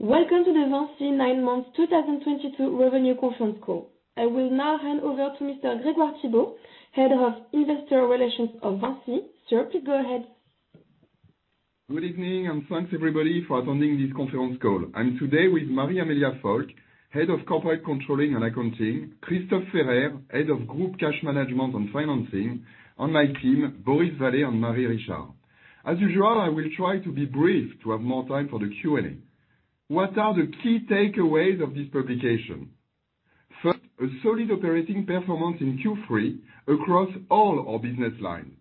Welcome to the VINCI Nine Months 2022 Revenue Conference Call. I will now hand over to Mr. Grégoire Thibault, Head of Investor Relations of VINCI. Sir, please go ahead. Good evening, and thanks everybody for attending this conference call. I'm today with Marie-Amélie Falk, Head of Corporate Controlling and Accounting, Christophe Ferrer, Head of Group Cash Management and Financing. On my team, Boris Vallée and Marie Richard. As usual, I will try to be brief to have more time for the Q&A. What are the key takeaways of this publication? First, a solid operating performance in Q3 across all our business lines.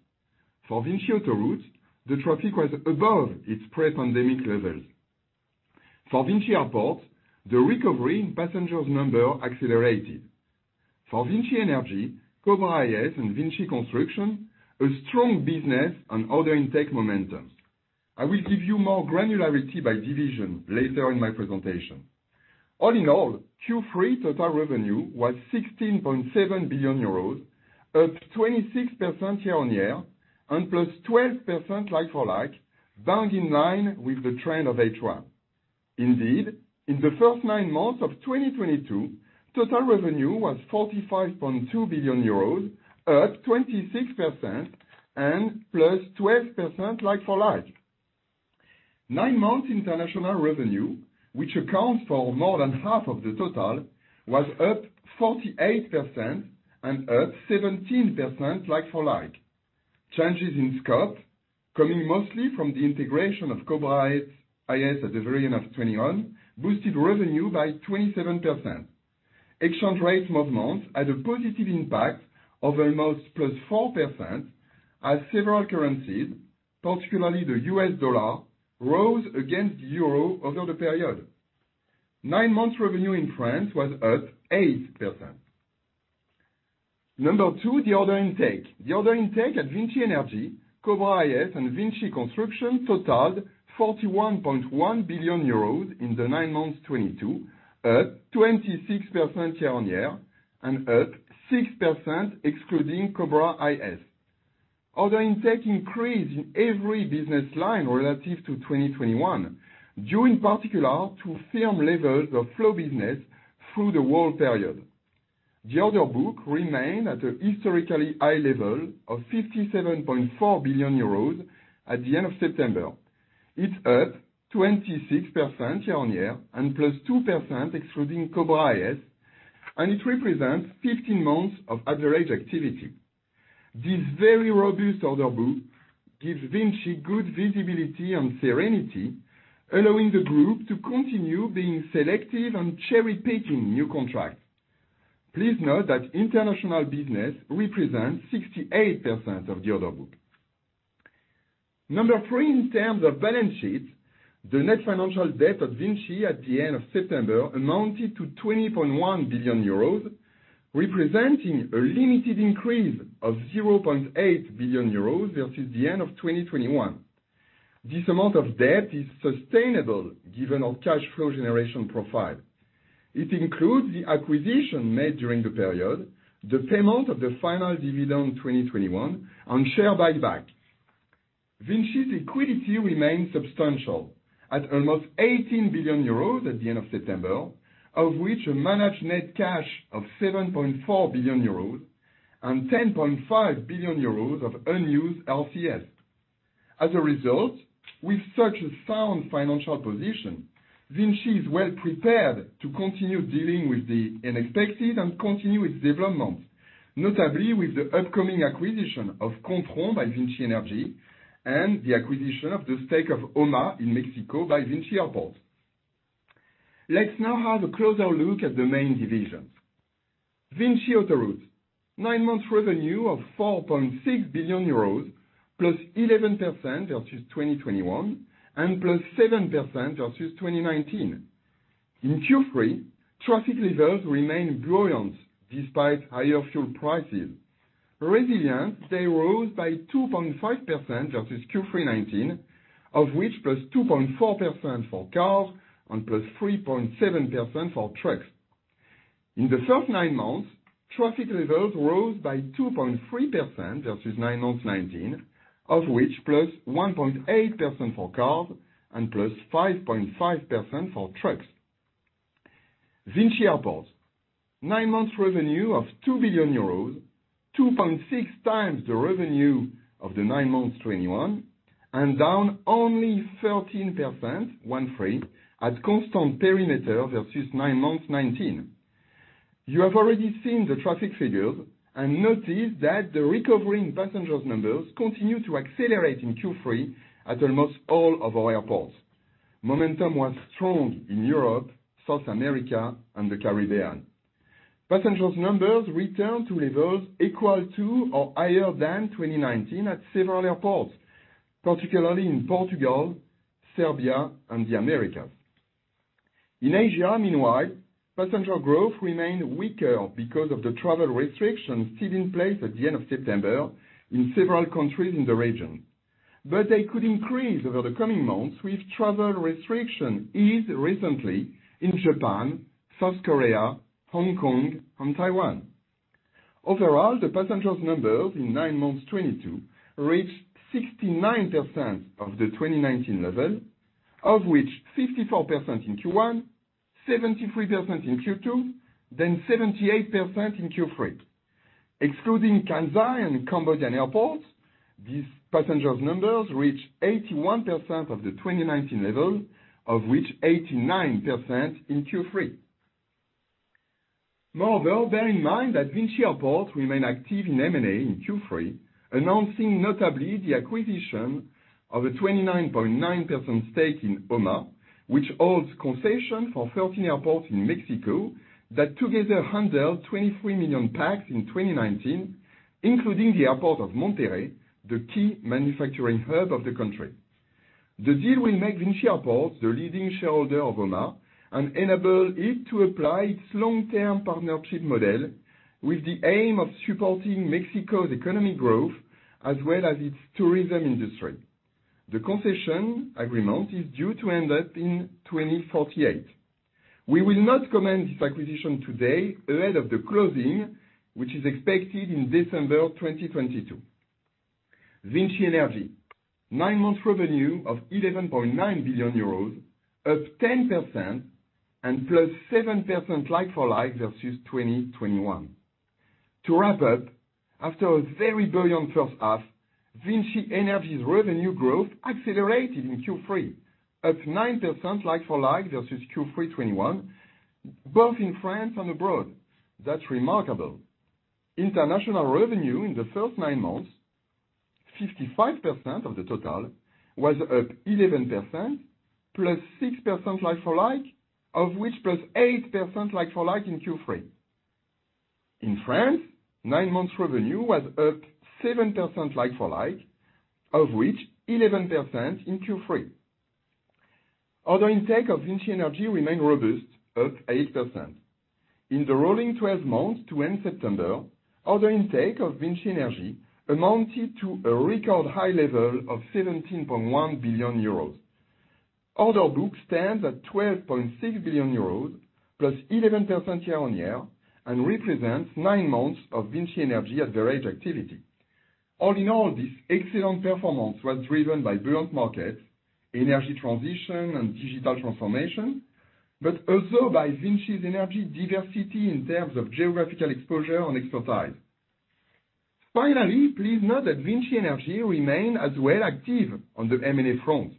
For VINCI Autoroutes, the traffic was above its pre-pandemic levels. For VINCI Airports, the recovery in passengers number accelerated. For VINCI Energies, Cobra IS, and VINCI Construction, a strong business and order intake momentum. I will give you more granularity by division later in my presentation. All in all, Q3 total revenue was 16.7 billion euros, up 26% year-on-year and plus 12% like-for-like, bang in line with the trend of H1. Indeed, in the first nine months of 2022, total revenue was 45.2 billion euros, up 26% and +12% like-for-like. Nine months international revenue, which accounts for more than half of the total, was up 48% and up 17% like-for-like. Changes in scope, coming mostly from the integration of Cobra IS at the very end of 2021, boosted revenue by 27%. Exchange rate movements had a positive impact of almost +4%, as several currencies, particularly the U.S. dollar, rose against the euro over the period. Nine months revenue in France was up 8%. Number two, the order intake. The order intake at VINCI Energies, Cobra IS, and VINCI Construction totaled 41.1 billion euros in the nine months 2022, up 26% year-on-year, and up 6% excluding Cobra IS. Order intake increased in every business line relative to 2021, due in particular to firm levels of flow business through the whole period. The order book remained at a historically high level of 57.4 billion euros at the end of September. It's up 26% year-on-year and +2% excluding Cobra IS, and it represents 15 months of average activity. This very robust order book gives VINCI good visibility and serenity, allowing the group to continue being selective and cherry-picking new contracts. Please note that international business represents 68% of the order book. Number three in terms of balance sheet, the net financial debt of VINCI at the end of September amounted to 20.1 billion euros, representing a limited increase of 0.8 billion euros versus the end of 2021. This amount of debt is sustainable given our cash flow generation profile. It includes the acquisition made during the period, the payment of the final dividend in 2021, and share buyback. VINCI's liquidity remains substantial at almost 18 billion euros at the end of September, of which a managed net cash of 7.4 billion euros and 10.5 billion euros of unused LCs. As a result, with such a sound financial position, VINCI is well prepared to continue dealing with the unexpected and continue its development, notably with the upcoming acquisition of Kontron by VINCI Energies and the acquisition of the stake of OMA in Mexico by VINCI Airports. Let's now have a closer look at the main divisions. VINCI Autoroutes. Nine months revenue of 4.6 billion euros, +11% versus 2021, and +7% versus 2019. In Q3, traffic levels remained buoyant despite higher fuel prices. Resilient, they rose by 2.5% versus Q3 2019, of which +2.4% for cars and +3.7% for trucks. In the first nine months, traffic levels rose by 2.3% versus nine months 2019, of which +1.8% for cars and +5.5% for trucks. VINCI Airports. Nine months revenue of 2 billion euros, 2.6x the revenue of the nine months 2021, and down only 13% from, at constant perimeter versus nine months 2019. You have already seen the traffic figures and noticed that the recovery in passenger numbers continued to accelerate in Q3 at almost all of our airports. Momentum was strong in Europe, South America, and the Caribbean. Passenger numbers returned to levels equal to or higher than 2019 at several airports, particularly in Portugal, Serbia, and the Americas. In Asia, meanwhile, passenger growth remained weaker because of the travel restrictions still in place at the end of September in several countries in the region. They could increase over the coming months with travel restrictions eased recently in Japan, South Korea, Hong Kong, and Taiwan. Overall, passenger numbers in nine months 2022 reached 69% of the 2019 level, of which 54% in Q1, 73% in Q2, then 78% in Q3. Excluding Kansai and Cambodian airports, these passenger numbers reached 81% of the 2019 level, of which 89% in Q3. Moreover, bear in mind that VINCI Airports remain active in M&A in Q3, announcing notably the acquisition of a 29.9% stake in OMA, which holds concession for 13 airports in Mexico that together handled 23 million passengers in 2019, including the airport of Monterrey, the key manufacturing hub of the country. The deal will make VINCI Airports the leading shareholder of OMA and enable it to apply its long-term partnership model with the aim of supporting Mexico's economic growth as well as its tourism industry. The concession agreement is due to end up in 2048. We will not comment this acquisition today ahead of the closing, which is expected in December 2022. VINCI Energies, nine months revenue of 11.9 billion euros, up 10% and +7% like-for-like versus 2021. To wrap up, after a very buoyant first half, VINCI Energies' revenue growth accelerated in Q3. Up 9% like-for-like versus Q3 2021, both in France and abroad. That's remarkable. International revenue in the first nine months, 55% of the total, was up 11%, +6% like-for-like, of which +8% like-for-like in Q3. In France, nine months revenue was up 7% like-for-like, of which 11% in Q3. Order intake of VINCI Energies remained robust, up 8%. In the rolling 12 months to end September, order intake of VINCI Energies amounted to a record high level of 17.1 billion euros. Order book stands at 12.6 billion euros, +11% year-on-year, and represents nine months of VINCI Energies' average activity. All in all, this excellent performance was driven by buoyant markets, energy transition, and digital transformation, but also by VINCI Energies' diversity in terms of geographical exposure and expertise. Finally, please note that VINCI Energies remains as well active on the M&A front,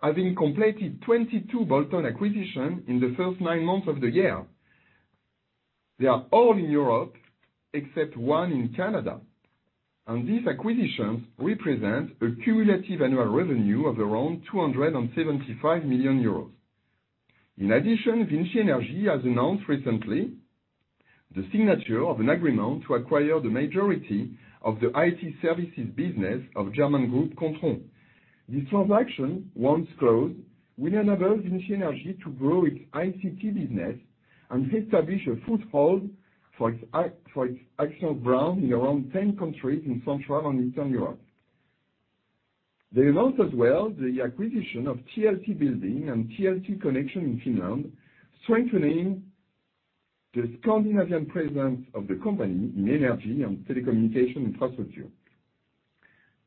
having completed 22 bolt-on acquisitions in the first nine months of the year. They are all in Europe except one in Canada. These acquisitions represent a cumulative annual revenue of around 275 million euros. In addition, VINCI Energies has announced recently the signature of an agreement to acquire the majority of the IT services business of German group Kontron. This transaction, once closed, will enable VINCI Energies to grow its ICT business and establish a foothold for its Axians brand in around 10 countries in Central and Eastern Europe. They announced as well the acquisition of TLT-Building and TLT-Connection in Finland, strengthening the Scandinavian presence of the company in energy and telecommunication infrastructure.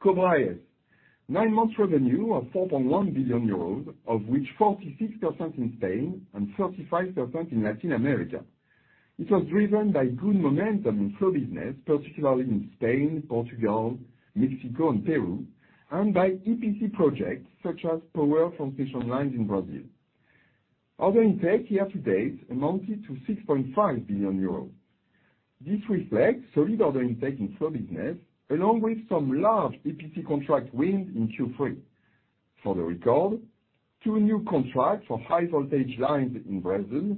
Cobra IS, nine months revenue of 4.1 billion euros, of which 46% in Spain and 35% in Latin America. It was driven by good momentum in flow business, particularly in Spain, Portugal, Mexico, and Peru, and by EPC projects such as power transmission lines in Brazil. Order intake year-to-date amounted to 6.5 billion euros. This reflects solid order intake in flow business, along with some large EPC contract wins in Q3. For the record, two new contracts for high voltage lines in Brazil,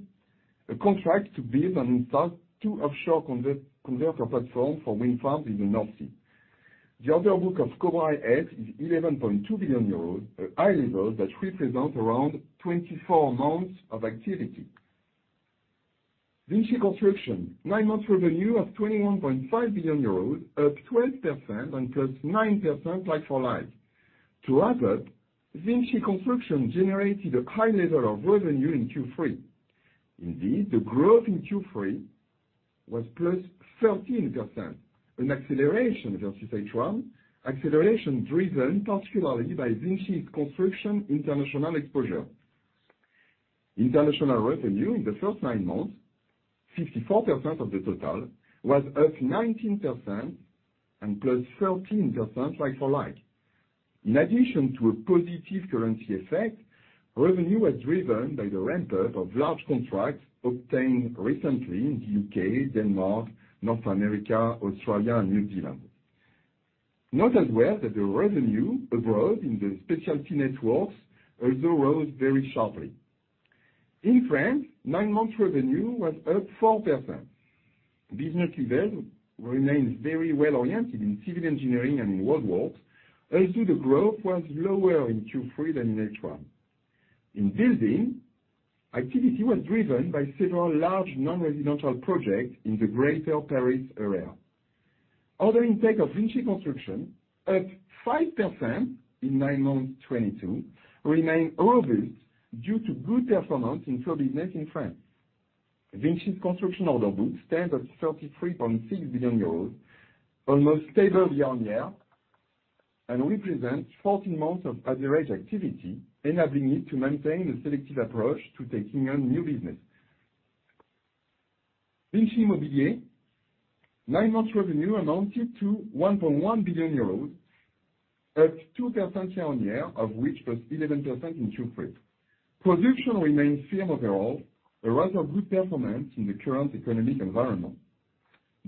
a contract to build and install two offshore converter platforms for wind farms in the North Sea. The order book of Cobra IS is 11.2 billion euros, a high level that represents around 24 months of activity. VINCI Construction, nine months revenue of 21.5 billion euros, up 12% and +9% like-for-like. To add up, VINCI Construction generated a high level of revenue in Q3. Indeed, the growth in Q3 was +13%, an acceleration versus H1, acceleration driven particularly by VINCI's Construction international exposure. International revenue in the first nine months, 54% of the total, was up 19% and +13% like-for-like. In addition to a positive currency effect, revenue was driven by the ramp-up of large contracts obtained recently in the U.K., Denmark, North America, Australia, and New Zealand. Note as well that the revenue abroad in the specialty networks also rose very sharply. In France, nine months revenue was up 4%. Business level remains very well-oriented in civil engineering and in roadworks, although the growth was lower in Q3 than in H1. In building, activity was driven by several large non-residential projects in the Greater Paris area. Order intake of VINCI Construction up 5% in nine months 2022 remain robust due to good performance in road business in France. VINCI Construction's order book stands at 33.6 billion euros, almost stable year-on-year, and represents 14 months of average activity, enabling it to maintain a selective approach to taking on new business. VINCI Immobilier nine months revenue amounted to 1.1 billion euros, up 2% year-on-year, of which was 11% in Q3. Production remains firm overall, a rather good performance in the current economic environment.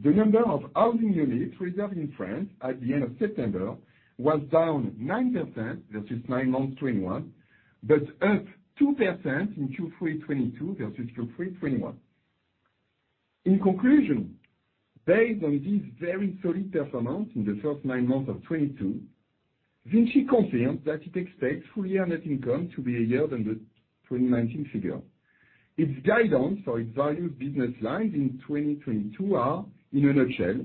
The number of housing units reserved in France at the end of September was down 9% versus nine months 2021, but up 2% in Q3 2022 versus Q3 2021. In conclusion, based on this very solid performance in the first nine months of 2022, VINCI confirms that it expects full year net income to be higher than the 2019 figure. Its guidance for its value business lines in 2022 are, in a nutshell,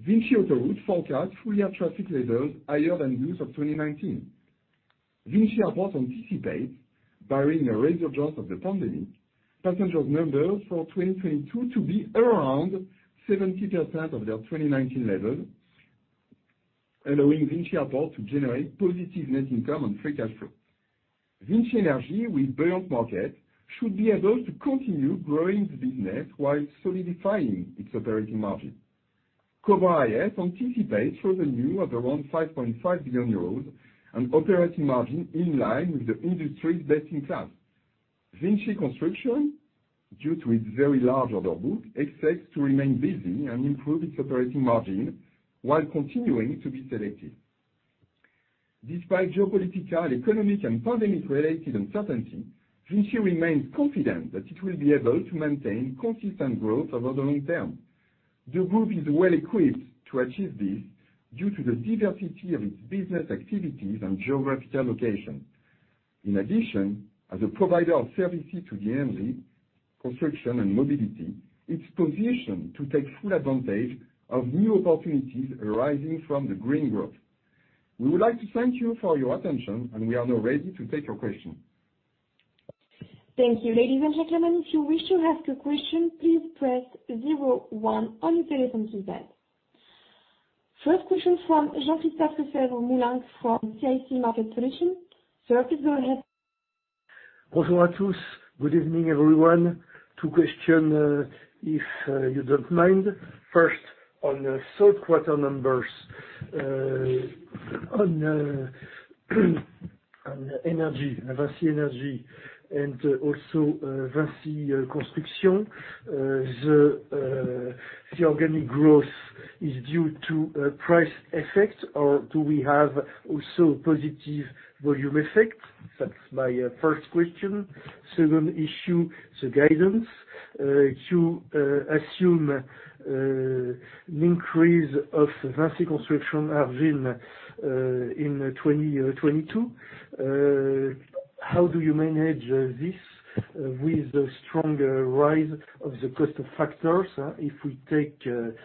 VINCI Autoroutes forecast full year traffic levels higher than those of 2019. VINCI Airports anticipates, barring a resurgence of the pandemic, passenger numbers for 2022 to be around 70% of their 2019 levels, allowing VINCI Airports to generate positive net income and free cash flow. VINCI Energies with buoyant market should be able to continue growing the business while solidifying its operating margin. Cobra IS anticipates revenue of around 5.5 billion euros and operating margin in line with the industry's best in class. VINCI Construction, due to its very large order book, expects to remain busy and improve its operating margin while continuing to be selective. Despite geopolitical, economic, and pandemic-related uncertainty, VINCI remains confident that it will be able to maintain consistent growth over the long term. The group is well equipped to achieve this due to the diversity of its business activities and geographic allocation. In addition, as a provider of services to the energy, construction, and mobility, it's positioned to take full advantage of new opportunities arising from the green growth. We would like to thank you for your attention, and we are now ready to take your questions. Thank you. Ladies and gentlemen, if you wish to ask a question, please press zero one on your telephone keypad. First question from Jean-Christophe Ormilan from CIC Market Solutions. Sir, please go ahead. Good evening, everyone. Two questions, if you don't mind. First, on the third quarter numbers, on energy, VINCI Energies, and also, VINCI Construction. The organic growth is due to price effect, or do we have also positive volume effect? That's my first question. Second issue, the guidance. You assume an increase of VINCI Construction margin in 2022. How do you manage this with the strong rise of the cost of factors? If we take the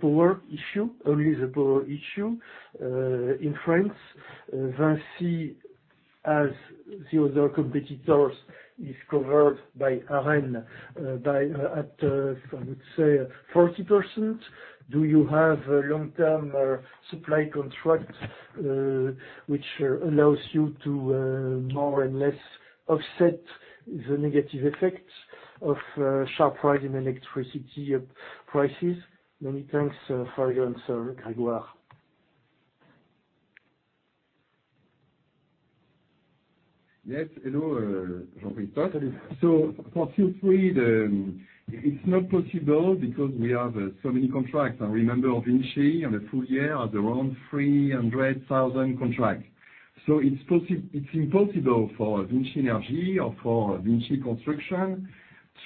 power issue, only the power issue, in France, VINCI, as the other competitors, is covered by ARENH, by at, I would say 40%. Do you have a long-term supply contract which allows you to more or less offset the negative effects of sharp rise in electricity prices? Many thanks for your answer, Grégoire. Yes. Hello, Jean-Christophe. For Q3, it's not possible because we have so many contracts. Now remember, VINCI in a full year has around 300,000 contracts. It's impossible for VINCI Energies or for VINCI Construction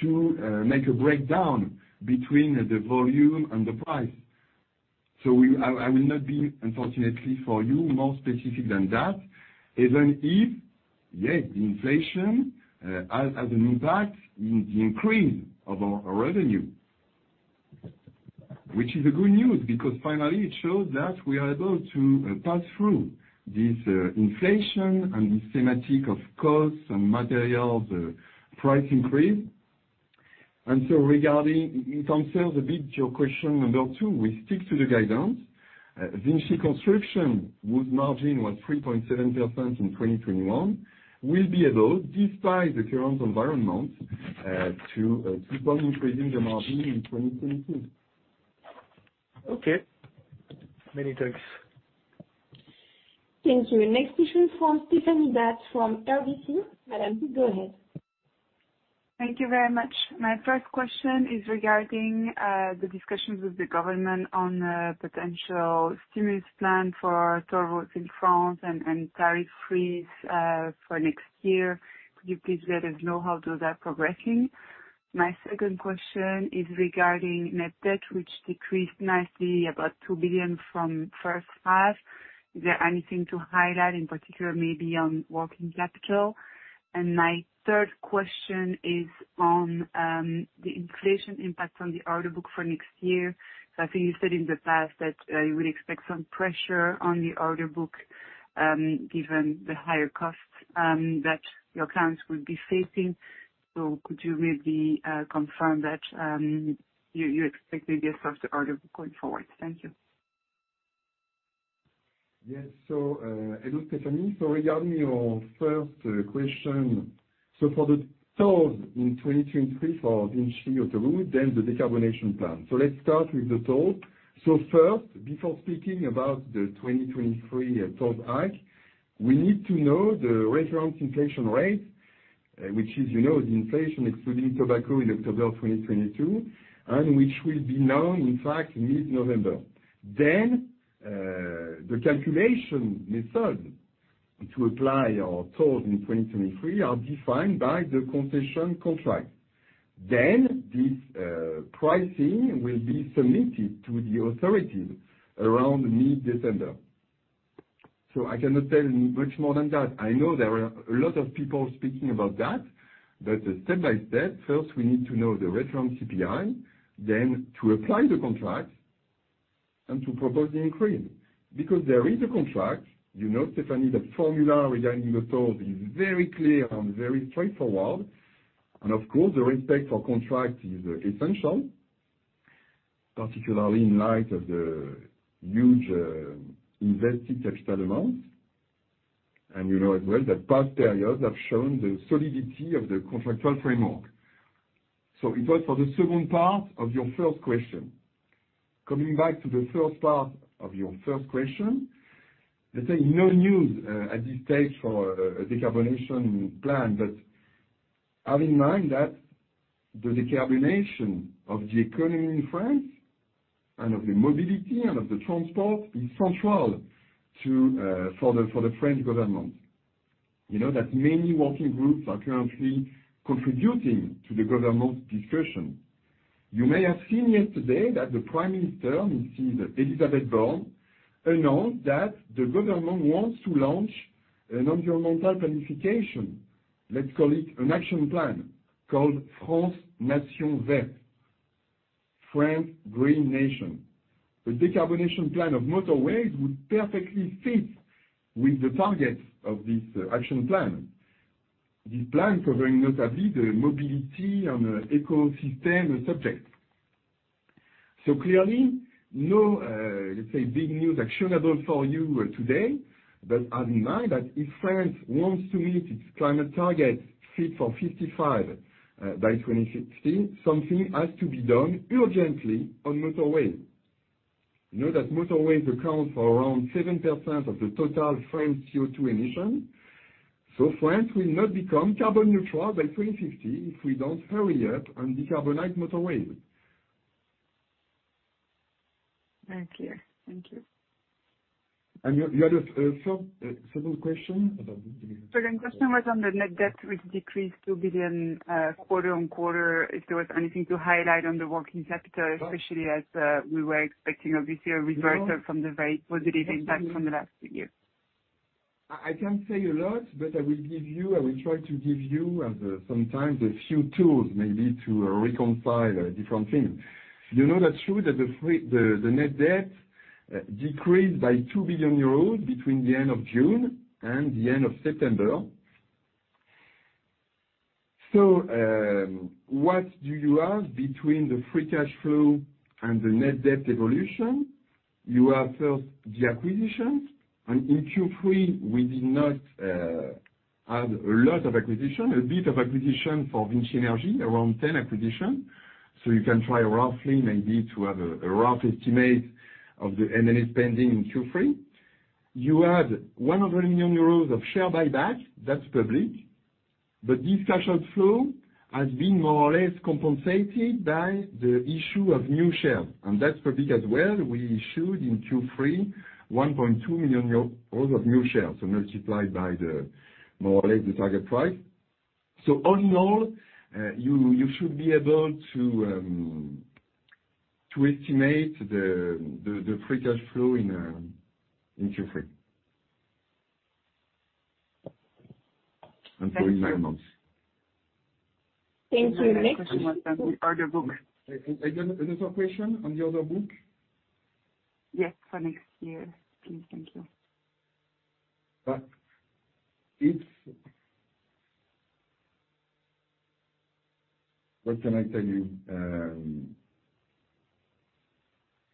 to make a breakdown between the volume and the price. I will not be, unfortunately for you, more specific than that, even if the inflation has an impact in the increase of our revenue. Which is good news because finally it shows that we are able to pass through this inflation and this thematic of costs and materials price increase. In terms of but your question number two, we stick to the guidance. VINCI Construction, whose margin was 3.7% in 2021, will be able, despite the current environment, to keep on increasing the margin in 2022. Okay. Many thanks. Thank you. Next question from Stéphanie D'Ath from RBC. Madam, please go ahead. Thank you very much. My first question is regarding the discussions with the government on a potential stimulus plan for toll roads in France and tariff freeze for next year. Could you please let us know how those are progressing? My second question is regarding net debt, which decreased nicely, about 2 billion from first half. Is there anything to highlight in particular, maybe on working capital? My third question is on the inflation impact on the order book for next year. I think you said in the past that you would expect some pressure on the order book. Given the higher costs that your clients will be facing. Could you maybe confirm that you expect a decrease of the order going forward? Thank you. Yes. Hello, Stéphanie. Regarding your first question, for the toll in 2023 for VINCI Autoroutes, then the decarbonization plan. Let's start with the toll. First, before speaking about the 2023 toll hike, we need to know the reference inflation rate, which is, you know, the inflation excluding tobacco in October 2022, and which will be known in fact mid-November. The calculation method to apply our toll in 2023 are defined by the concession contract. Then this pricing will be submitted to the authorities around mid-December. I cannot tell you much more than that. I know there are a lot of people speaking about that, but step by step, first, we need to know the reference CPI, then to apply the contract and to propose the increase. Because there is a contract, you know, Stéphanie, the formula regarding the toll is very clear and very straightforward. Of course, the respect for contract is essential, particularly in light of the huge, invested capital amount. You know as well that past periods have shown the solidity of the contractual framework. It was for the second part of your first question. Coming back to the first part of your first question, let's say no news, at this stage for a decarbonization plan, but have in mind that the decarbonization of the economy in France and of the mobility and of the transport is central to, for the French government. You know that many working groups are currently contributing to the government discussion. You may have seen yesterday that the Prime Minister, you see, Élisabeth Borne, announced that the government wants to launch an environmental planning, let's call it an action plan, called France Nation Verte, France Green Nation. The decarbonization plan for motorways would perfectly fit with the targets of this action plan. This plan covering notably the mobility and ecosystem subjects. Clearly no, let's say big news actionable for you today, but have in mind that if France wants to meet its climate targets Fit for 55 by 2050, something has to be done urgently on motorways. You know that motorways account for around 7% of the total French CO2 emissions. France will not become carbon neutral by 2050 if we don't hurry up and decarbonize motorways. Thank you. Thank you. You had a second question about. Second question was on the net debt, which decreased 2 billion quarter-on-quarter, if there was anything to highlight on the working capital, especially as we were expecting obviously a reversal from the very positive impact from the last few years. I can't say a lot, but I will try to give you sometimes a few tools maybe to reconcile different things. You know that's true that the net debt decreased by 2 billion euros between the end of June and the end of September. What do you have between the free cash flow and the net debt evolution? You have first the acquisitions, and in Q3, we did not have a lot of acquisition, a bit of acquisition for VINCI Energies, around 10 acquisition. You can try roughly maybe to have a rough estimate of the M&A spending in Q3. You add 100 million euros of share buyback, that's public. This cash outflow has been more or less compensated by the issue of new shares, and that's public as well. We issued in Q3 1.2 million euros of new shares, so multiplied by more or less the target price. All in all, you should be able to estimate the free cash flow in Q3. Thank you. For nine months. Thank you. Next question. My other question was on the order book. Another question on the order book? Yes, for next year, please. Thank you. What can I tell you?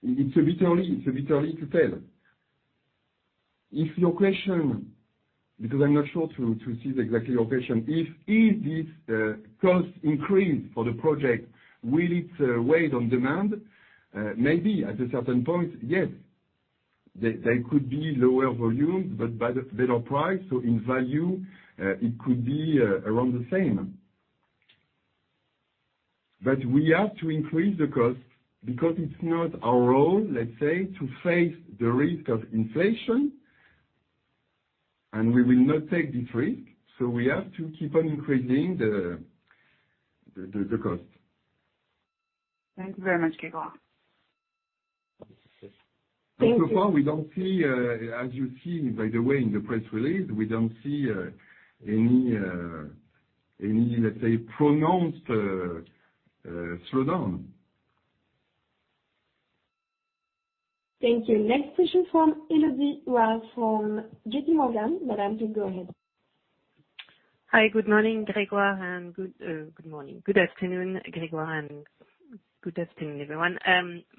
It's a bit early to tell. I'm not sure I see exactly your question. If this cost increase for the project will it weigh on demand? Maybe at a certain point, yes. There could be lower volume, but by the better price, so in value, it could be around the same. We have to increase the cost because it's not our role, let's say, to face the risk of inflation, and we will not take this risk. We have to keep on increasing the cost. Thank you very much, Grégoire. So far we don't see, as you see, by the way, in the press release, we don't see any, let's say, pronounced slowdown. Thank you. Next question from Elodie Rall from JPMorgan. Madame, you go ahead. Hi, good morning, Grégoire, and good morning. Good afternoon, Grégoire, and good afternoon, everyone.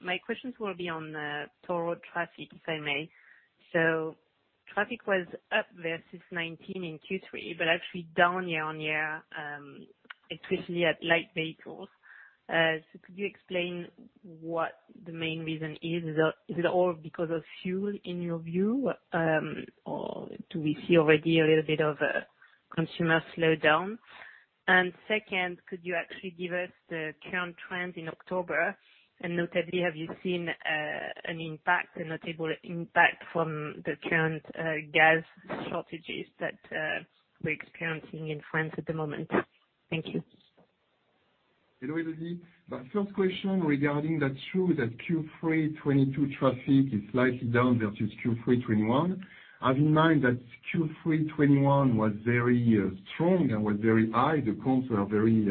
My questions will be on total traffic, if I may. Traffic was up versus 2019 in Q3, but actually down year-on-year, especially at light vehicles. Could you explain what the main reason is? Is it all because of fuel in your view? Or do we see already a little bit of a consumer slowdown? Second, could you actually give us the current trend in October? Notably, have you seen an impact, a notable impact from the current gas shortages that we're experiencing in France at the moment? Thank you. Hello, Elodie. The first question regarding that: that's true that Q3 2022 traffic is slightly down versus Q3 2021. Have in mind that Q3 2021 was very strong and was very high. The counts were very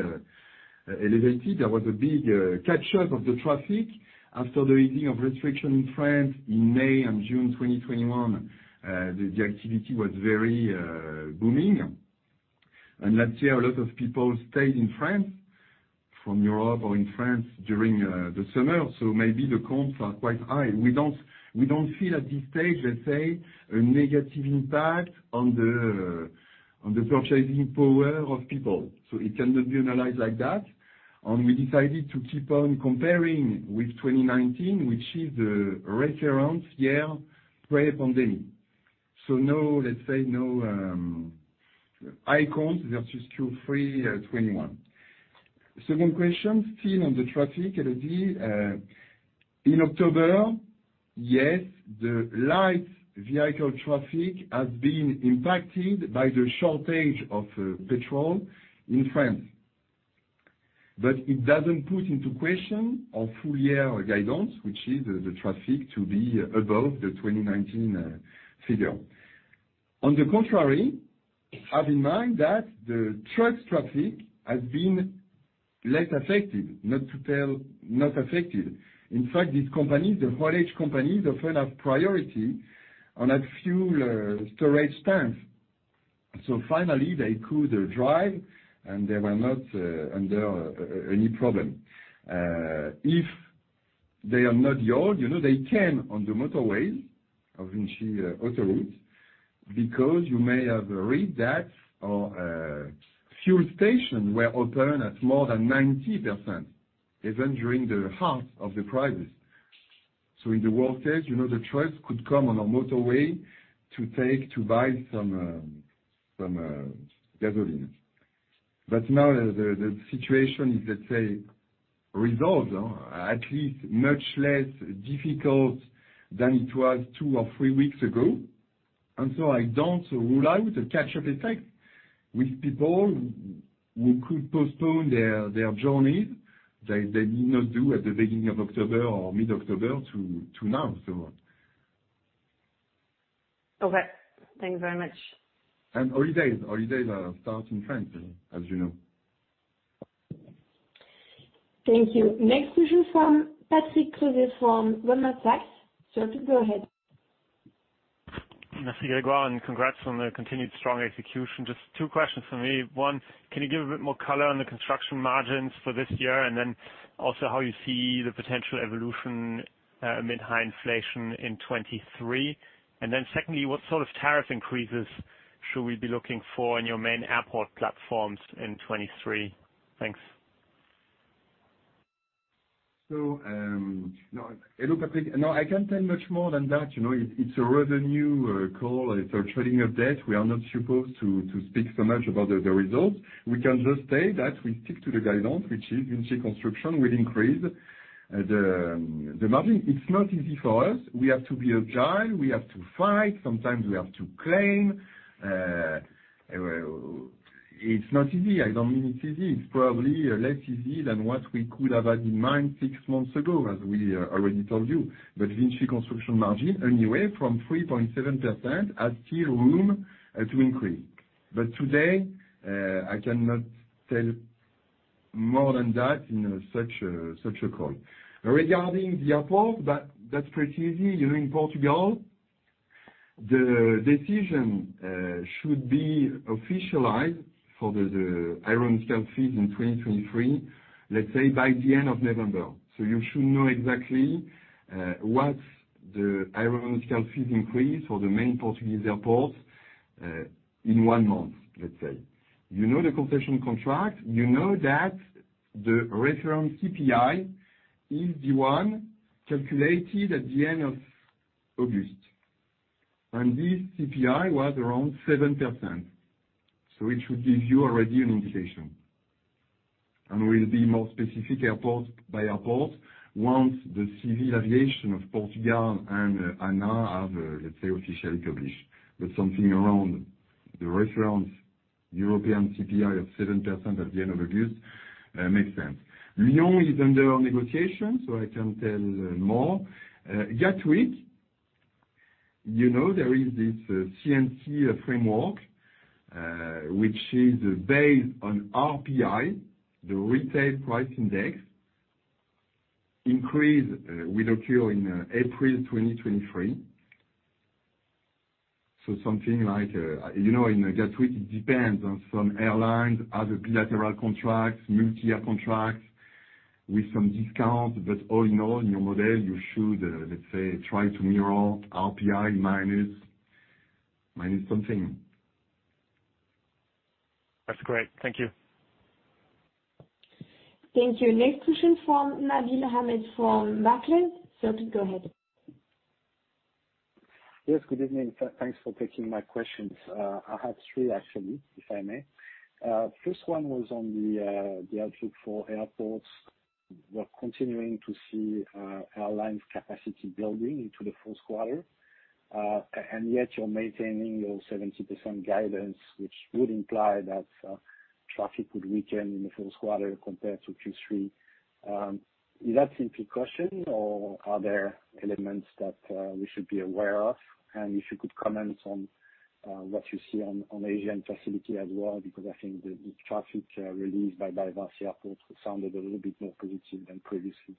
elevated. There was a big catch-up of the traffic after the easing of restriction in France in May and June 2021. The activity was very booming. Last year, a lot of people stayed in France from Europe or in France during the summer. Maybe the counts are quite high. We don't feel at this stage, let's say, a negative impact on the purchasing power of people. It cannot be analyzed like that. We decided to keep on comparing with 2019, which is the reference year pre-pandemic. No, let's say no high counts versus Q3 2021. Second question, still on the traffic, Elodie. In October, yes, the light vehicle traffic has been impacted by the shortage of petrol in France. It doesn't put into question our full year guidance, which is the traffic to be above the 2019 figure. On the contrary, have in mind that the trucks traffic has been less affected, not affected. In fact, these companies, the haulage companies often have priority on a fuel storage tank. Finally, they could drive, and they were not under any problem. If they are not young, you know, they can on the motorway of VINCI Autoroutes because you may have read that our fuel stations were open at more than 90%, even during the height of the crisis. In the worst case, you know, the trucks could come on a motorway to take, to buy some gasoline. Now the situation is, let's say, resolved, at least much less difficult than it was two or three weeks ago. I don't rule out a catch-up effect with people who could postpone their journeys. They did not do at the beginning of October or mid-October to now. Okay, thank you very much. Holidays start in France, as you know. Thank you. Next question from Patrick Crueset from Goldman Sachs. Sir, go ahead. Merci, Grégoire, and congrats on the continued strong execution. Just two questions from me. One, can you give a bit more color on the construction margins for this year? How you see the potential evolution amid high inflation in 2023. Secondly, what sort of tariff increases should we be looking for in your main airport platforms in 2023? Thanks. No. Hello, Patrick. No, I can't tell much more than that. You know, it's a revenue call. It's a trading update. We are not supposed to speak so much about the results. We can just say that we stick to the guidance, which is VINCI Construction will increase the margin. It's not easy for us. We have to be agile. We have to fight. Sometimes we have to claim. It's not easy. I don't mean it's easy. It's probably less easy than what we could have had in mind six months ago, as we already told you. VINCI Construction margin, anyway, from 3.7% has still room to increase. Today, I cannot tell more than that in such a call. Regarding the airport, that's pretty easy. You know, in Portugal, the decision should be officialized for the aeronautical fees in 2023, let's say, by the end of November. You should know exactly what's the aeronautical fees increase for the main Portuguese airports in one month, let's say. You know the concession contract. You know that the reference CPI is the one calculated at the end of August. This CPI was around 7%. It should give you already an indication. We'll be more specific airport by airport once the civil aviation of Portugal and ANA have, let's say, officially published. Something around the reference European CPI of 7% at the end of August makes sense. Lyon is under negotiation, so I can't tell more. At Gatwick, you know, there is this CAA framework, which is based on RPI, the Retail Price Index increase will occur in April 2023. Something like, you know, in the tweak, it depends on some airlines, other bilateral contracts, multi-year contracts with some discount. All in all, in your model, you should, let's say, try to mirror RPI minus something. That's great. Thank you. Thank you. Next question from Nabil Ahmed from Barclays. Sir, go ahead. Yes, good evening. Thanks for taking my questions. I have three, actually, if I may. First one was on the outlook for airports. We're continuing to see airlines capacity building into the fourth quarter. And yet you're maintaining your 70% guidance, which would imply that traffic would weaken in the fourth quarter compared to Q3. Is that simply caution or are there elements that we should be aware of? And if you could comment on what you see on Asian facility as well, because I think the traffic released by VINCI Airports sounded a little bit more positive than previously.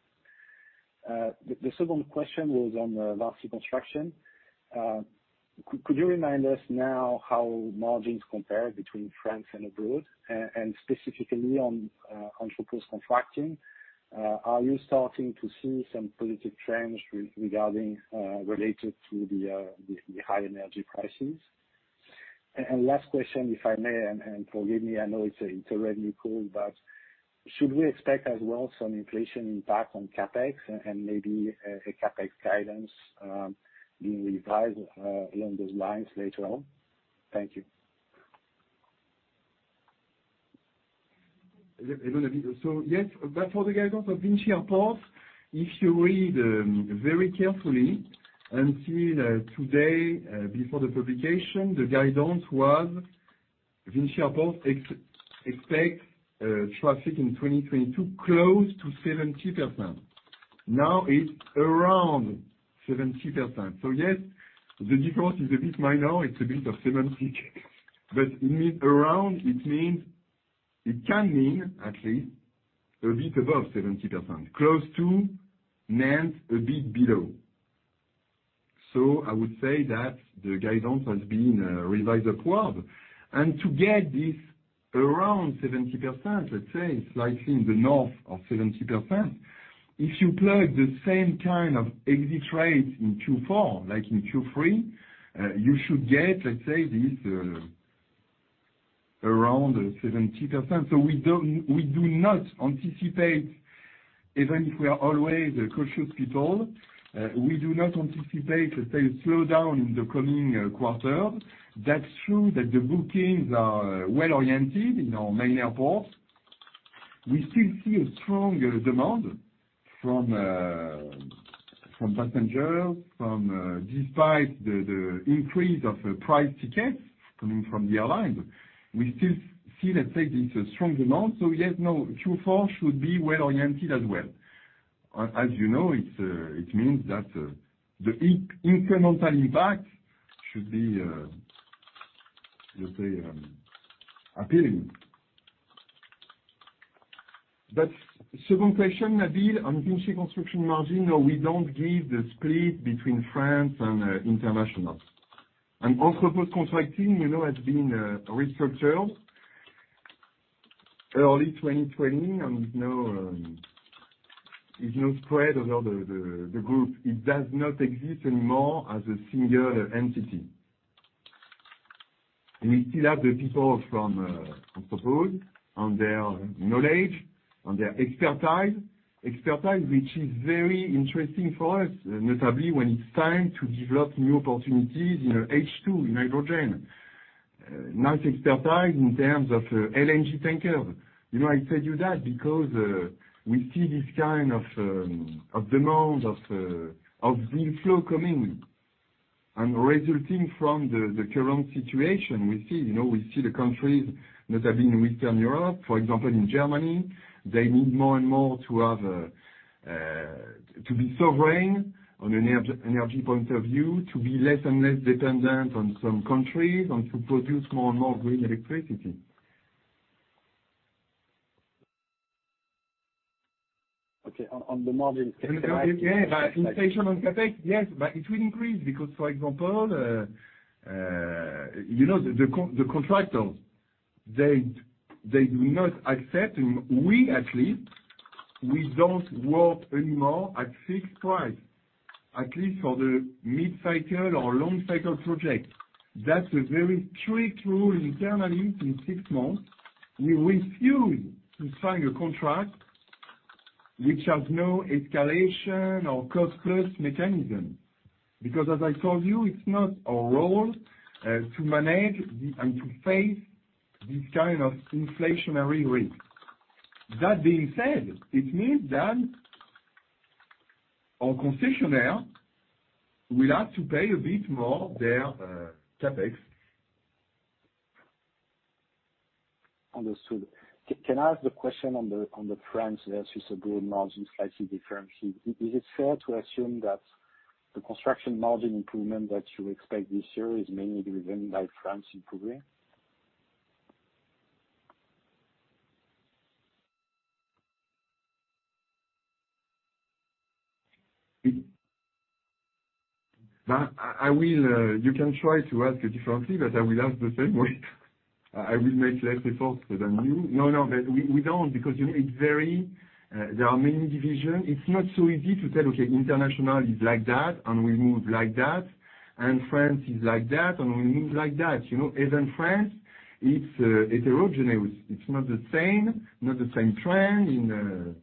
The second question was on the VINCI Construction. Could you remind us now how margins compare between France and abroad? Specifically on Entrepose Contracting, are you starting to see some positive trends regarding related to the high energy prices? Last question, if I may, and forgive me, I know it's a Investor Relations call, but should we expect as well some inflation impact on CapEx and maybe a CapEx guidance being revised along those lines later on? Thank you. Yes, but for the guidance of VINCI Airports, if you read very carefully and see that today, before the publication, the guidance was VINCI Airports expects traffic in 2022 close to 70%. Now, it's around 70%. Yes, the difference is a bit minor. It's a bit of semantics, but it means around, it means it can mean at least a bit above 70%. Close to means a bit below. I would say that the guidance has been revised upward. To get this around 70%, let's say slightly in the north of 70%, if you plug the same kind of exit rates in Q4, like in Q3, you should get, let's say, this around 70%. We do not anticipate, even if we are always a cautious people, let's say, a slowdown in the coming quarter. That's true that the bookings are well-oriented in our main airports. We still see a strong demand from passengers despite the increase of price tickets coming from the airlines. We still see, let's say, this strong demand. Yes, no, Q4 should be well-oriented as well. As you know, it means that the incremental impact should be, let's say, appealing. Second question, Nabil, on VINCI Construction margin, no, we don't give the split between France and international. Entrepose Contracting, you know, has been restructured early 2020, and it's not spread over the group. It does not exist anymore as a single entity. We still have the people from Entrepose and their knowledge and their expertise, which is very interesting for us, notably when it's time to develop new opportunities in H2, in hydrogen. Nice expertise in terms of LNG tankers. You know, I tell you that because we see this kind of demand, of inflow coming and resulting from the current situation. We see, you know, the countries that have been in Western Europe, for example, in Germany, they need more and more to have to be sovereign on an energy point of view, to be less and less dependent on some countries and to produce more and more green electricity. Okay, on the margin. Yeah. Inflation on CapEx? Yes, but it will increase because, for example, you know, the contractors, they do not accept, and we, actually, we don't work anymore at fixed price, at least for the mid-cycle or long-cycle projects. That's a very strict rule internally in six months. We refuse to sign a contract which has no escalation or cost plus mechanism because as I told you, it's not our role to manage and to face this kind of inflationary risk. That being said, it means that our concessionaire will have to pay a bit more their CapEx. Understood. Can I ask the question on the France versus abroad margin slightly differently? Is it fair to assume that the construction margin improvement that you expect this year is mainly driven by France improving? I will. You can try to ask it differently, but I will answer the same way. I will make less effort than you. No, but we don't, because, you know, it's very, there are many divisions. It's not so easy to tell, okay, international is like that, and we move like that, and France is like that, and we move like that. You know, even France, it's heterogeneous. It's not the same trend in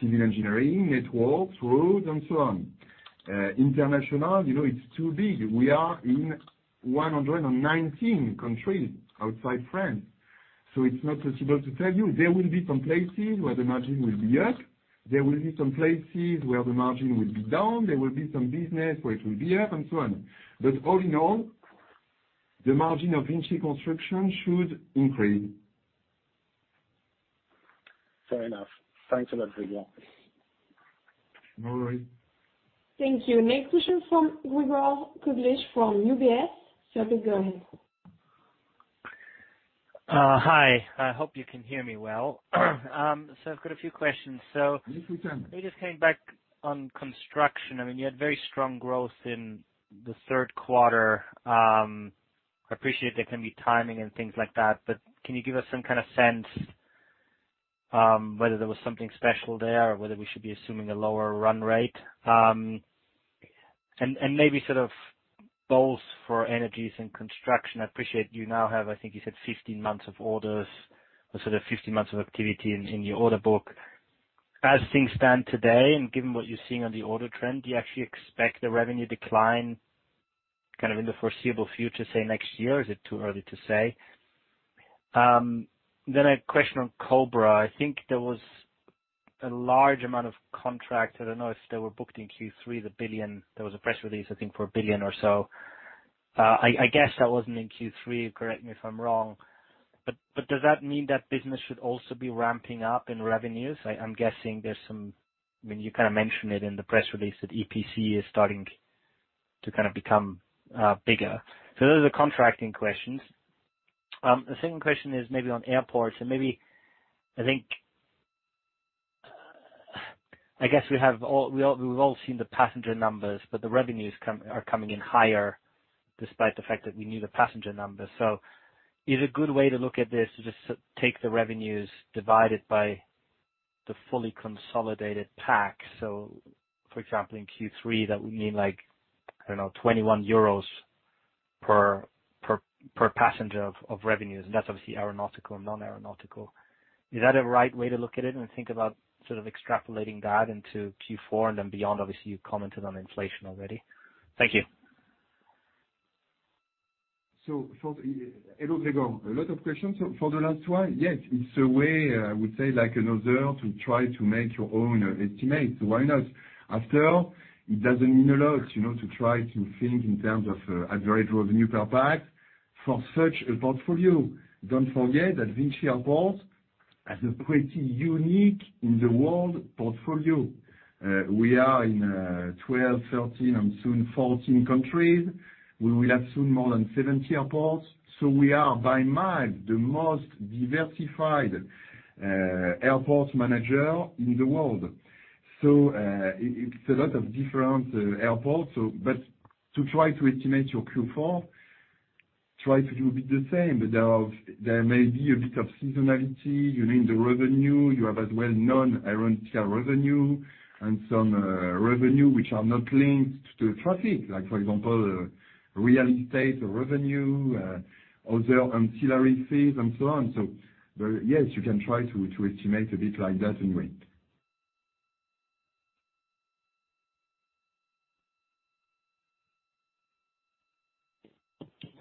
civil engineering, networks, roads, and so on. International, you know, it's too big. We are in 119 countries outside France, so it's not possible to tell you. There will be some places where the margin will be up. There will be some places where the margin will be down. There will be some business where it will be up and so on. All in all, the margin of VINCI Construction should increase. Fair enough. Thanks a lot, Grégoire. No worry. Thank you. Next question from Gregor Kuglitsch from UBS. Sir, please go ahead. Hi. I hope you can hear me well. I've got a few questions. Yes, we can. Let me just came back on construction. I mean, you had very strong growth in the third quarter. I appreciate there can be timing and things like that, but can you give us some kind of sense, whether there was something special there or whether we should be assuming a lower run rate? And maybe sort of both for energies and construction, I appreciate you now have, I think you said 15 months of orders or sort of 15 months of activity in your order book. As things stand today and given what you're seeing on the order trend, do you actually expect the revenue decline kind of in the foreseeable future, say next year? Is it too early to say? A question on Cobra. I think there was a large amount of contracts. I don't know if they were booked in Q3, 1 billion. There was a press release, I think, for 1 billion or so. I guess that wasn't in Q3, correct me if I'm wrong, but does that mean that business should also be ramping up in revenues? I'm guessing there's some. I mean, you kinda mentioned it in the press release that EPC is starting to kind of become bigger. Those are the contracting questions. The second question is maybe on airports, and maybe, I think, I guess we've all seen the passenger numbers, but the revenues are coming in higher despite the fact that we knew the passenger numbers. Is a good way to look at this to just take the revenues divided by the fully consolidated PAX. For example, in Q3, that would mean like, I don't know, 21 euros per passenger of revenues, and that's obviously aeronautical, non-aeronautical. Is that a right way to look at it and think about sort of extrapolating that into Q4 and then beyond? Obviously, you commented on inflation already. Thank you. Hello, Gregor. A lot of questions. For the last one, yes, it's a way, I would say, like an observer to try to make your own estimate. Why not? After, it doesn't mean a lot, you know, to try to think in terms of average revenue per pax for such a portfolio. Don't forget that VINCI Airports has a pretty unique portfolio in the world. We are in 12, 13 and soon 14 countries. We will have soon more than 70 airports. We are by a mile the most diversified airport manager in the world. It's a lot of different airports, but to try to estimate your Q4, try to do a bit the same. There may be a bit of seasonality. You need the revenue. You have as well-known aeronautical revenue and some revenue which are not linked to traffic. Like for example, real estate revenue, other ancillary fees and so on. Yes, you can try to estimate a bit like that anyway.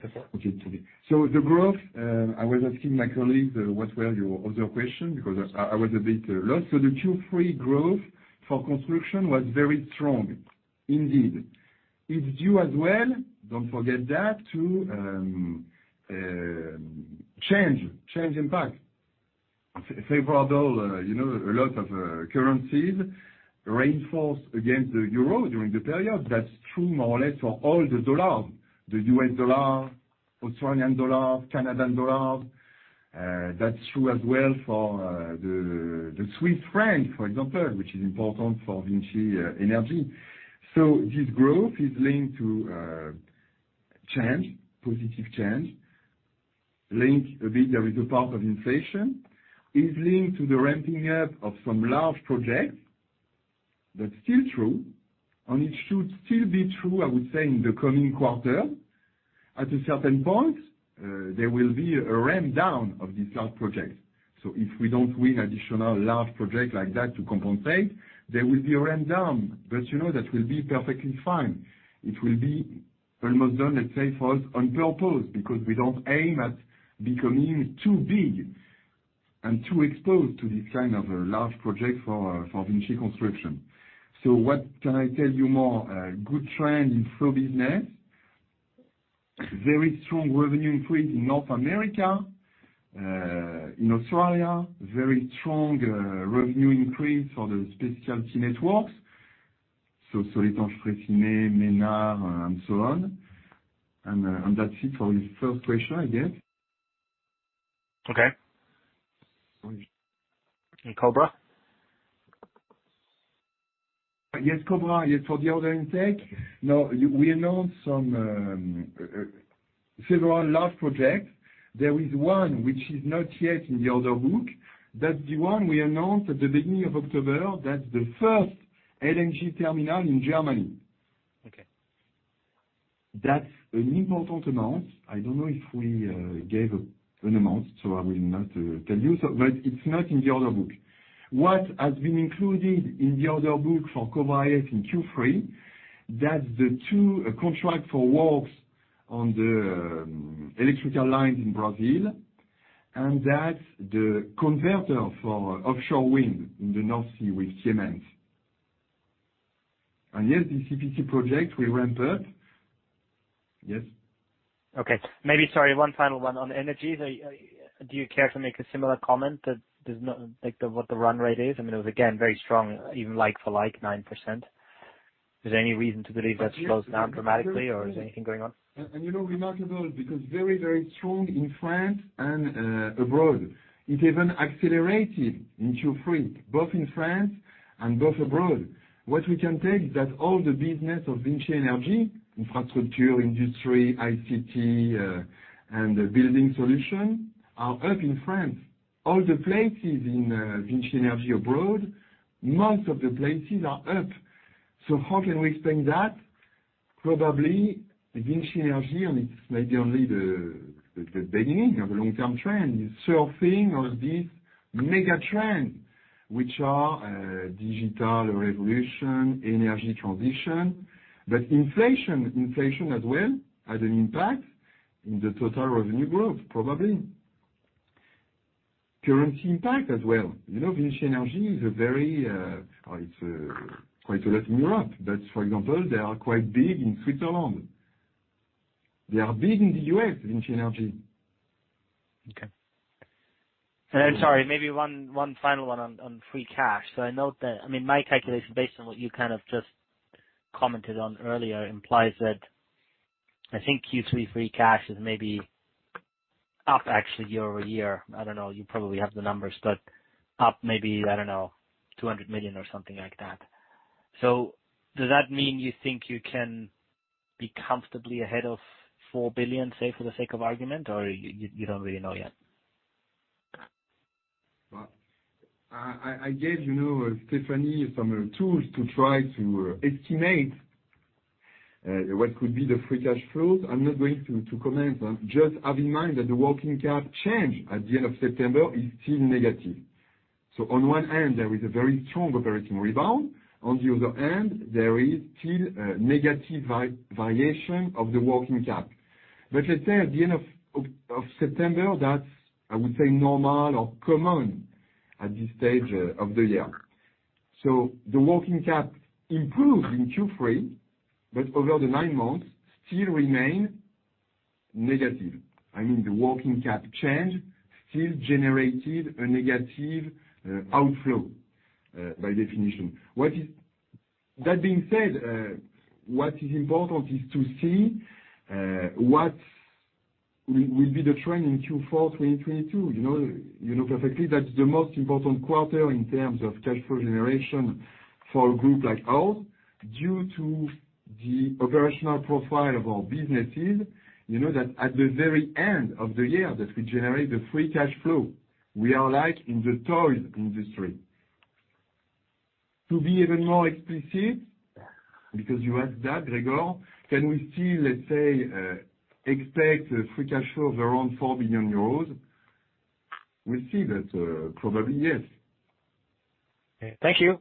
The growth, I was asking my colleague what were your other question because I was a bit lost. The Q3 growth for construction was very strong indeed. It's due as well, don't forget that, to change impact. Favorable, you know, a lot of currencies rose against the euro during the period. That's true more or less for all the dollar, the U.S. dollar, Australian dollar, Canadian dollar. That's true as well for the Swiss franc, for example, which is important for VINCI Energies. This growth is linked to change, positive change, linked a bit with the part of inflation. It's linked to the ramping up of some large projects. That's still true, and it should still be true, I would say, in the coming quarter. At a certain point, there will be a ramp down of these large projects. If we don't win additional large projects like that to compensate, there will be a ramp down. But you know, that will be perfectly fine. It will be almost done, let's say, for us on purpose, because we don't aim at becoming too big and too exposed to this kind of a large project for VINCI Construction. What can I tell you more? Good trend in flow business. Very strong revenue increase in North America. In Australia, very strong revenue increase for the specialty networks. Soletanche Bachy, Ménard and so on. That's it for this first question, I guess. Okay. Cobra? Yes, Cobra IS. Yes, for the order intake. No, we announced some, several large projects. There is one which is not yet in the order book. That's the one we announced at the beginning of October. That's the first LNG terminal in Germany. Okay. That's an important amount. I don't know if we gave an amount, so I will not tell you so, but it's not in the order book. What has been included in the order book for Cobra IS in Q3, that's the two contracts for works on the electrical lines in Brazil, and that's the converter for offshore wind in the North Sea with Siemens. Yes, the EPC project will ramp up. Yes. Okay. Maybe, sorry, one final one on energies. Do you care to make a similar comment, like what the run rate is? I mean, it was again, very strong, even like-for-like 9%. Is there any reason to believe that slows down dramatically, or is anything going on? You know, remarkable because very, very strong in France and abroad. It even accelerated in Q3, both in France and both abroad. What we can tell is that all the business of VINCI Energies, infrastructure, industry, ICT, and the building solution, are up in France. All the places in VINCI Energies abroad, most of the places are up. So how can we explain that? Probably, VINCI Energies, and it's maybe only the beginning of a long-term trend, is surfing on this mega-trend, which are digital revolution, energy transition. But inflation as well has an impact in the total revenue growth, probably. Currency impact as well. You know, VINCI Energies is a very, or it's quite a lot in Europe. But for example, they are quite big in Switzerland. They are big in the U.S., VINCI Energies. Okay. Sorry, maybe one final one on free cash. I note that, I mean, my calculation based on what you kind of just commented on earlier implies that I think Q3 free cash is maybe up actually year-over-year. I don't know, you probably have the numbers, but up maybe, I don't know, 200 million or something like that. Does that mean you think you can be comfortably ahead of 4 billion, say for the sake of argument, or you don't really know yet? I gave, you know, Stéphanie some tools to try to estimate what could be the free cash flows. I'm not going to comment. Just have in mind that the working cap change at the end of September is still negative. On one hand, there is a very strong operating rebound. On the other hand, there is still a negative variation of the working cap. Let's say at the end of September, that's, I would say, normal or common at this stage of the year. The working cap improved in Q3, but over the nine months still remain negative. I mean, the working cap change still generated a negative outflow by definition. That being said, what is important is to see what will be the trend in Q4 2022. You know perfectly that's the most important quarter in terms of cash flow generation for a group like ours due to the operational profile of our businesses. You know that at the very end of the year that we generate the free cash flow. We are like in the toys industry. To be even more explicit, because you asked that, Gregor, can we still, let's say, expect a free cash flow of around 4 billion euros? We'll see that, probably, yes. Okay. Thank you.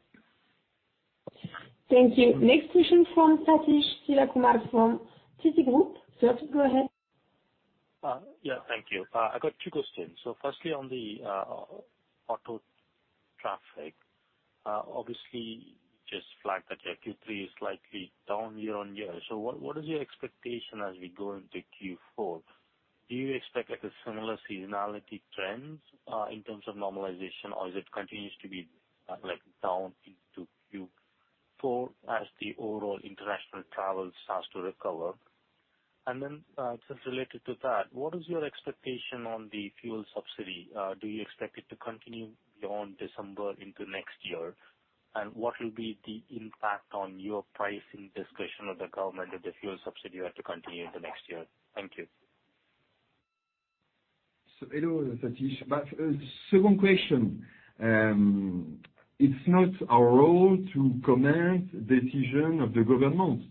Thank you. Next question from Sathish Sivakumar from Citigroup. Sathish, go ahead. Yeah. Thank you. I got two questions. Firstly, on the autoroute traffic, obviously, you just flagged that Q3 is slightly down year-on-year. What is your expectation as we go into Q4? Do you expect, like, a similar seasonality trends in terms of normalization, or is it continues to be, like, down into Q4 as the overall international travel starts to recover? Then, just related to that, what is your expectation on the fuel subsidy? Do you expect it to continue beyond December into next year? What will be the impact on your pricing discretion of the government if the fuel subsidy were to continue into next year? Thank you. Hello, Sathish. Second question, it's not our role to comment decision of the government.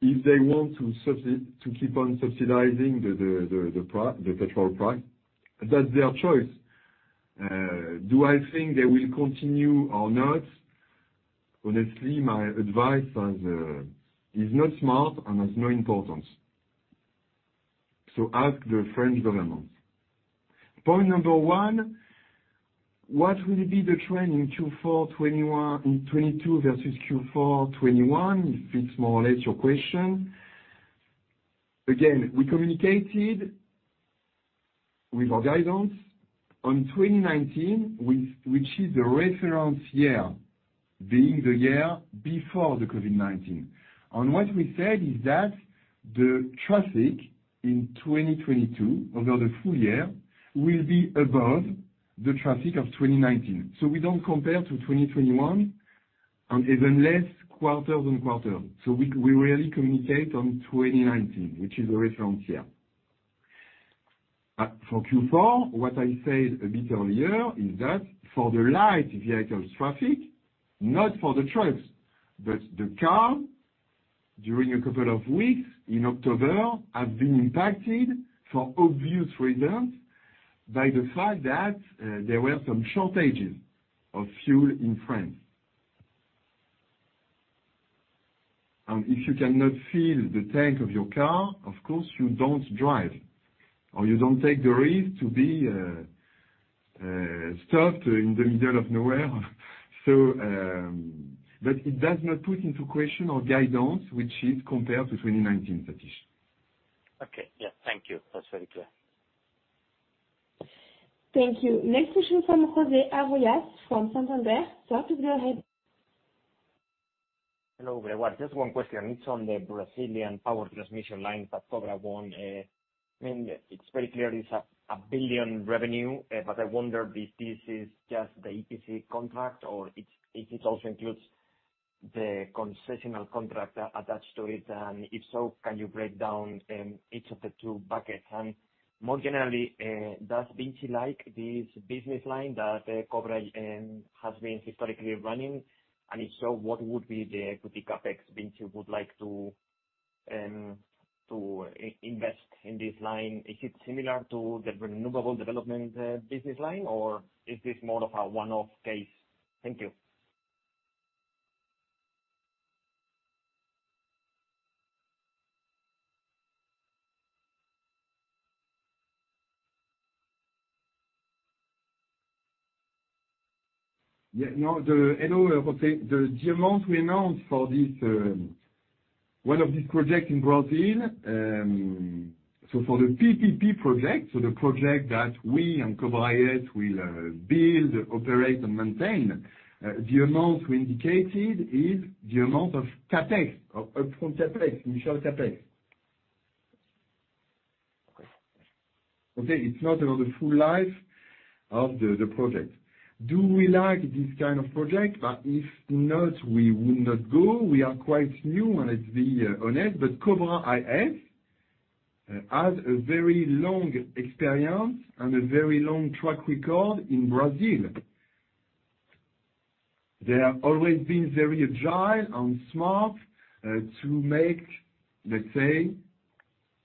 If they want to keep on subsidizing the petrol price, that's their choice. Do I think they will continue or not? Honestly, my advice is not smart and has no importance. Ask the French government. Point number one, what will be the trend in Q4 2021 in 2022 versus Q4 2021, if it's more or less your question. Again, we communicated with our guidance on 2019 which is the reference year, being the year before the COVID-19. What we said is that the traffic in 2022 over the full year will be above the traffic of 2019. We don't compare to 2021, and even less quarter-over-quarter. We really communicate on 2019, which is a reference year. For Q4, what I said a bit earlier is that for the light vehicles traffic, not for the trucks, but the car, during a couple of weeks in October, have been impacted for obvious reasons by the fact that there were some shortages of fuel in France. If you cannot fill the tank of your car, of course, you don't drive, or you don't take the risk to be stuck in the middle of nowhere. It does not put into question our guidance, which is compared to 2019, Sathish. Okay. Yeah. Thank you. That's very clear. Thank you. Next question from José Arroyas, from Santander. Sir, to go ahead. Hello, Grégoire. Just one question. It's on the Brazilian power transmission line that Cobra won. I mean, it's very clear it's 1 billion revenue. But I wonder if this is just the EPC contract or it also includes the concession contract attached to it. If so, can you break down each of the two buckets? More generally, does VINCI like this business line that Cobra has been historically running? If so, what would be the equity CapEx VINCI would like to invest in this line? Is it similar to the renewable development business line, or is this more of a one-off case? Thank you. Yeah, no. Hello, José. The amount we announced for this one of these projects in Brazil, so for the PPP project, the project that we and Cobra IS will build, operate, and maintain, the amount we indicated is the amount of CapEx, upfront CapEx, initial CapEx. Okay. Okay? It's not about the full life of the project. Do we like this kind of project? If not, we would not go. We are quite new, and let's be honest, but Cobra IS has a very long experience and a very long track record in Brazil. They have always been very agile and smart to make, let's say,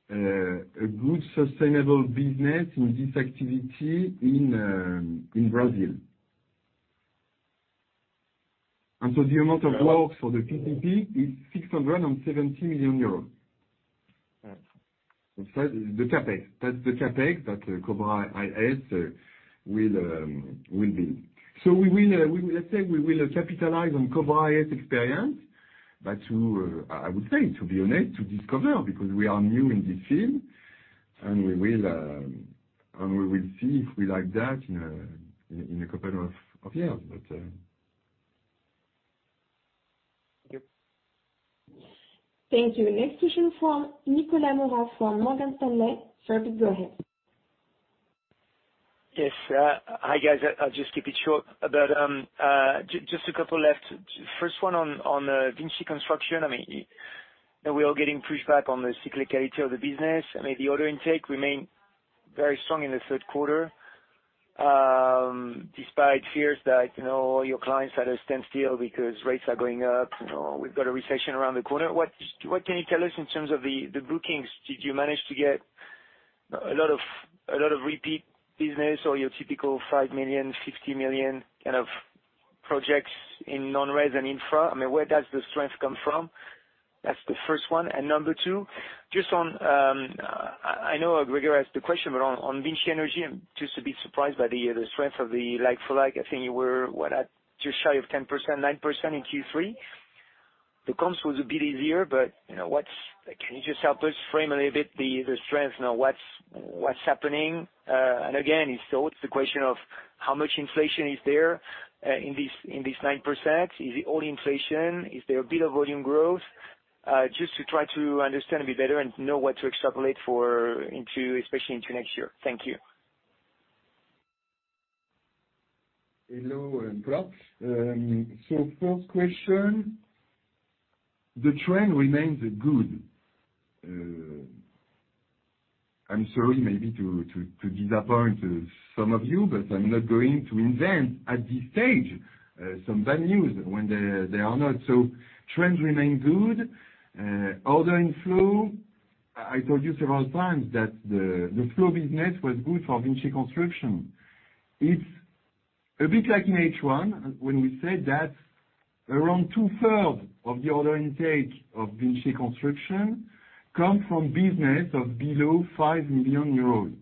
a good sustainable business in this activity in Brazil. The amount of works for the PPP is 670 million euros. All right. That's the CapEx. That's the CapEx that Cobra IS will build. Let's say we will capitalize on Cobra IS experience, but to, I would say, to be honest, to discover, because we are new in this field. We will see if we like that in a couple of years. Thank you. Thank you. Next question from Nicolas Mora, from Morgan Stanley. Sir, go ahead. Yes. Hi, guys. I'll just keep it short. Just a couple left. First one on VINCI Construction. I mean, you know, we are getting pushback on the cyclicality of the business. I mean, the order intake remained very strong in the third quarter, despite fears that, you know, your clients had a standstill because rates are going up. You know, we've got a recession around the corner. What can you tell us in terms of the bookings? Did you manage to get a lot of repeat business or your typical 5 million, 60 million kind of projects in non-res and infra? I mean, where does the strength come from? That's the first one. Number two, just on, I know Grégoire asked the question, but on VINCI Energies, I'm just a bit surprised by the strength of the like-for-like. I think you were, what, just shy of 10%, 9% in Q3. The comps was a bit easier, but you know what's happening? Can you just help us frame a little bit the strength now? What's happening? And again, if so, it's the question of how much inflation is there in this 9%? Is it all inflation? Is there a bit of volume growth? Just to try to understand a bit better and know what to extrapolate for into, especially into next year. Thank you. Hello, and thanks. So first question, the trend remains good. I'm sorry maybe to disappoint some of you, but I'm not going to invent, at this stage, some bad news when they are not. So trends remain good. Order flow, I told you several times that the flow business was good for VINCI Construction. It's a bit like in H1 when we said that around two-thirds of the order intake of VINCI Construction come from business below 5 million euros.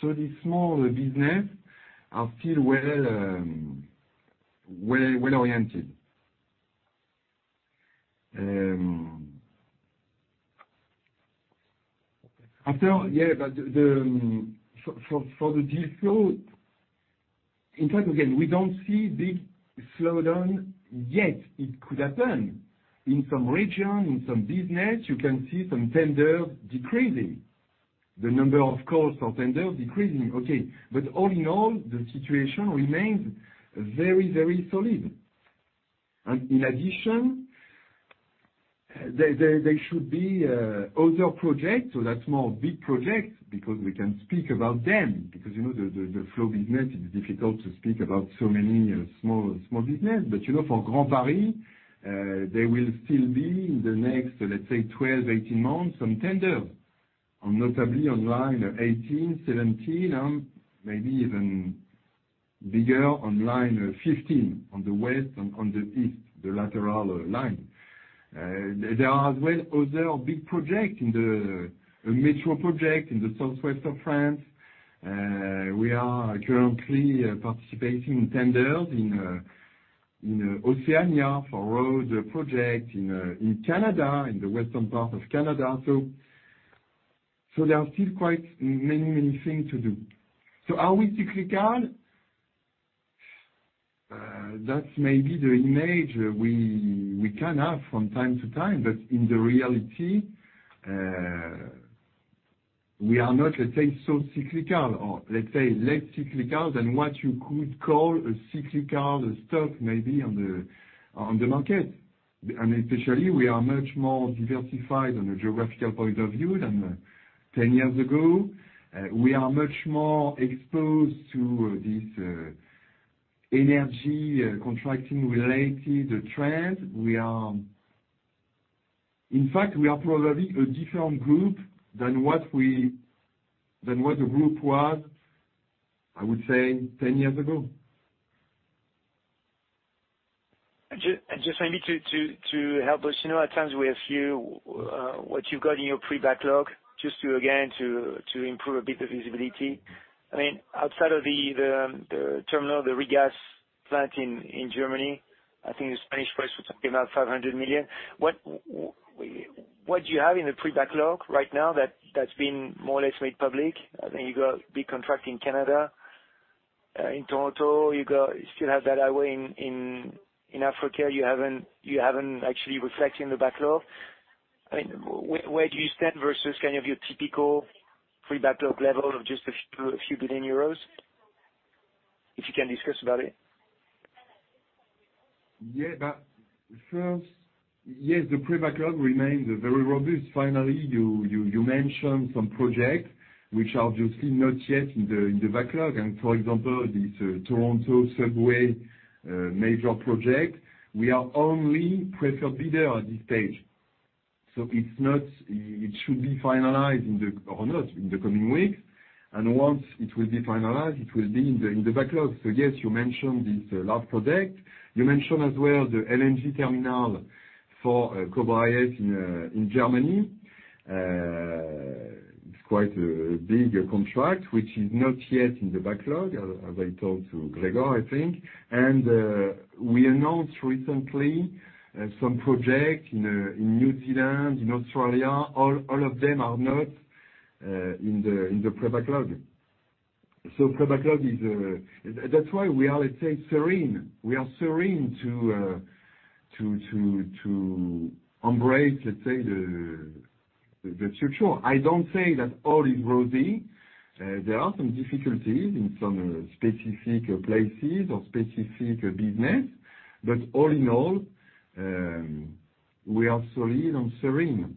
So the smaller business are still well-oriented. But the deal flow, in fact, again, we don't see big slowdown yet. It could happen in some region, in some business, you can see some tender decreasing. The number of calls for tender decreasing, okay. All in all, the situation remains very, very solid. In addition, there should be other projects, so that's more big projects because we can speak about them because, you know, the flow business is difficult to speak about so many small business. You know, for Grand Paris, there will still be in the next, let's say, 12, 18 months, some tender, notably on line 18, 17, maybe even bigger on line 15 on the west and on the east, the lateral line. There are as well other big project in the metro project in the southwest of France. We are currently participating in tenders in Oceania for road project in Canada, in the western part of Canada. So there are still quite many things to do. Are we cyclical? That's maybe the image we can have from time to time. In reality, we are not, let's say, so cyclical or let's say less cyclical than what you could call a cyclical stuff maybe on the market. Especially, we are much more diversified on a geographical point of view than ten years ago. We are much more exposed to this energy contracting related trend. In fact, we are probably a different group than what the group was, I would say ten years ago. Just finally to help us, you know, at times we have few what you've got in your pre-backlog, just to again improve a bit of visibility. I mean, outside of the terminal, the regas plant in Germany, I think the Spanish project was something about 500 million. What do you have in the pre-backlog right now that's been more or less made public? I think you got a big contract in Canada in Toronto, you got. You still have that highway in Africa. You haven't actually reflected in the backlog. I mean, where do you stand versus kind of your typical pre-backlog level of just a few billion euros, if you can discuss about it? First, yes, the pre-backlog remains very robust. Finally, you mentioned some projects which are obviously not yet in the backlog. For example, this Toronto subway major project, we are only preferred bidder at this stage. It should be finalized in the coming weeks. Once it will be finalized, it will be in the backlog. Yes, you mentioned this large project. You mentioned as well the LNG terminal for Cobra IS in Germany. It is quite a big contract which is not yet in the backlog, as I told to Gregor, I think. We announced recently some project in New Zealand, in Australia. All of them are not in the pre-backlog. Pre-backlog is That's why we are, let's say, serene. We are serene to embrace, let's say, the future. I don't say that all is rosy. There are some difficulties in some specific places or specific business. All in all, we are solid and serene.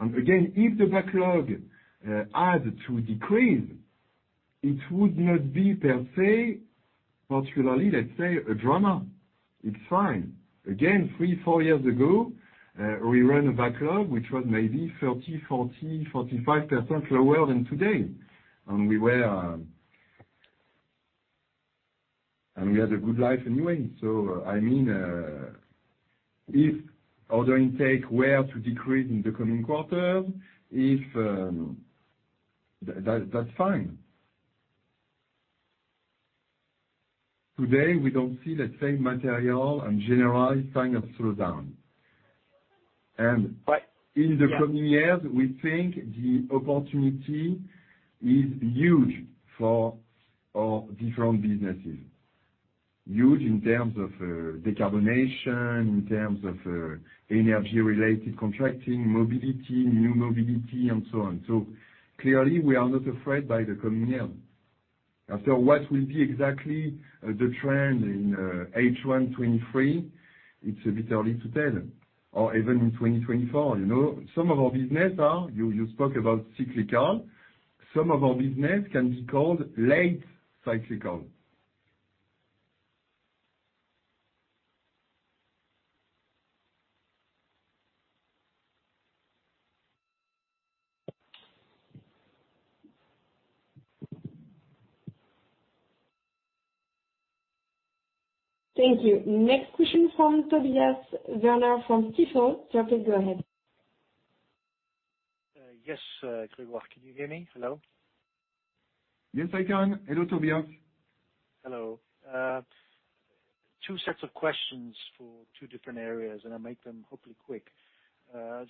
Again, if the backlog had to decrease, it would not be per se, particularly, let's say, a drama. It's fine. Again, three, four years ago, we ran a backlog which was maybe 30%, 40%, 45% lower than today. We had a good life anyway. I mean, if order intake were to decrease in the coming quarter, that's fine. Today, we don't see the same material and general sign of slowdown. Yeah. In the coming years, we think the opportunity is huge for our different businesses, huge in terms of decarbonation, in terms of energy related contracting, mobility, new mobility and so on. Clearly, we are not afraid by the coming year. What will be exactly the trend in H1 2023, it's a bit early to tell, or even in 2024, you know. Some of our business are, you spoke about cyclical. Some of our business can be called late cyclical. Thank you. Next question from Tobias Werner from Stifel. Sir, please go ahead. Yes, Grégoire, can you hear me? Hello? Yes, I can. Hello, Tobias. Hello. Two sets of questions for two different areas, and I'll make them hopefully quick.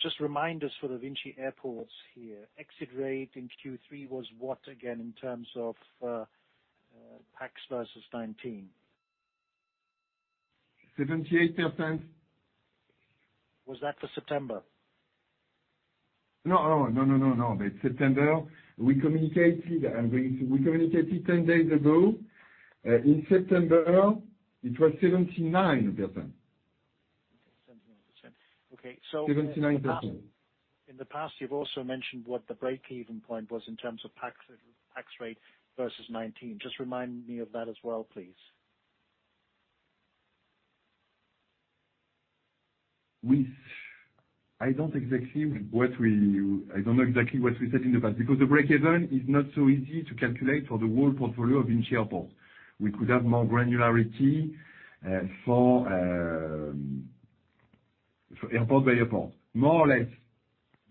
Just remind us for the VINCI Airports here, exit rate in Q3 was what again in terms of pax versus 2019? 78%. Was that for September? No. Oh, no. September, we communicated 10 days ago. In September, it was 79%. Okay, 79%. Okay, so 79%. In the past, you've also mentioned what the break-even point was in terms of pax rate versus 2019. Just remind me of that as well, please. I don't know exactly what we said in the past, because the break-even is not so easy to calculate for the whole portfolio of VINCI Airports. We could have more granularity for airport by airport, more or less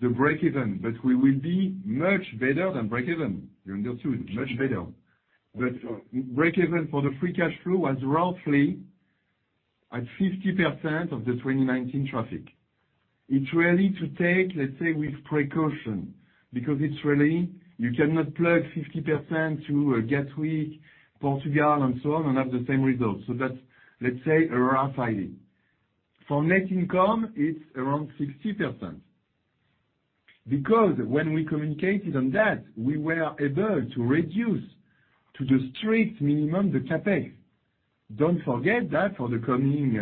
the break-even, but we will be much better than break-even. You understood much better. Break-even for the free cash flow was roughly at 50% of the 2019 traffic. It's really to take, let's say, with precaution because it's really you cannot plug 50% to a Gatwick, Portugal and so on and have the same results. That's, let's say, a rough idea. For net income, it's around 60% because when we communicated on that, we were able to reduce to the strict minimum the CapEx. Don't forget that for the coming,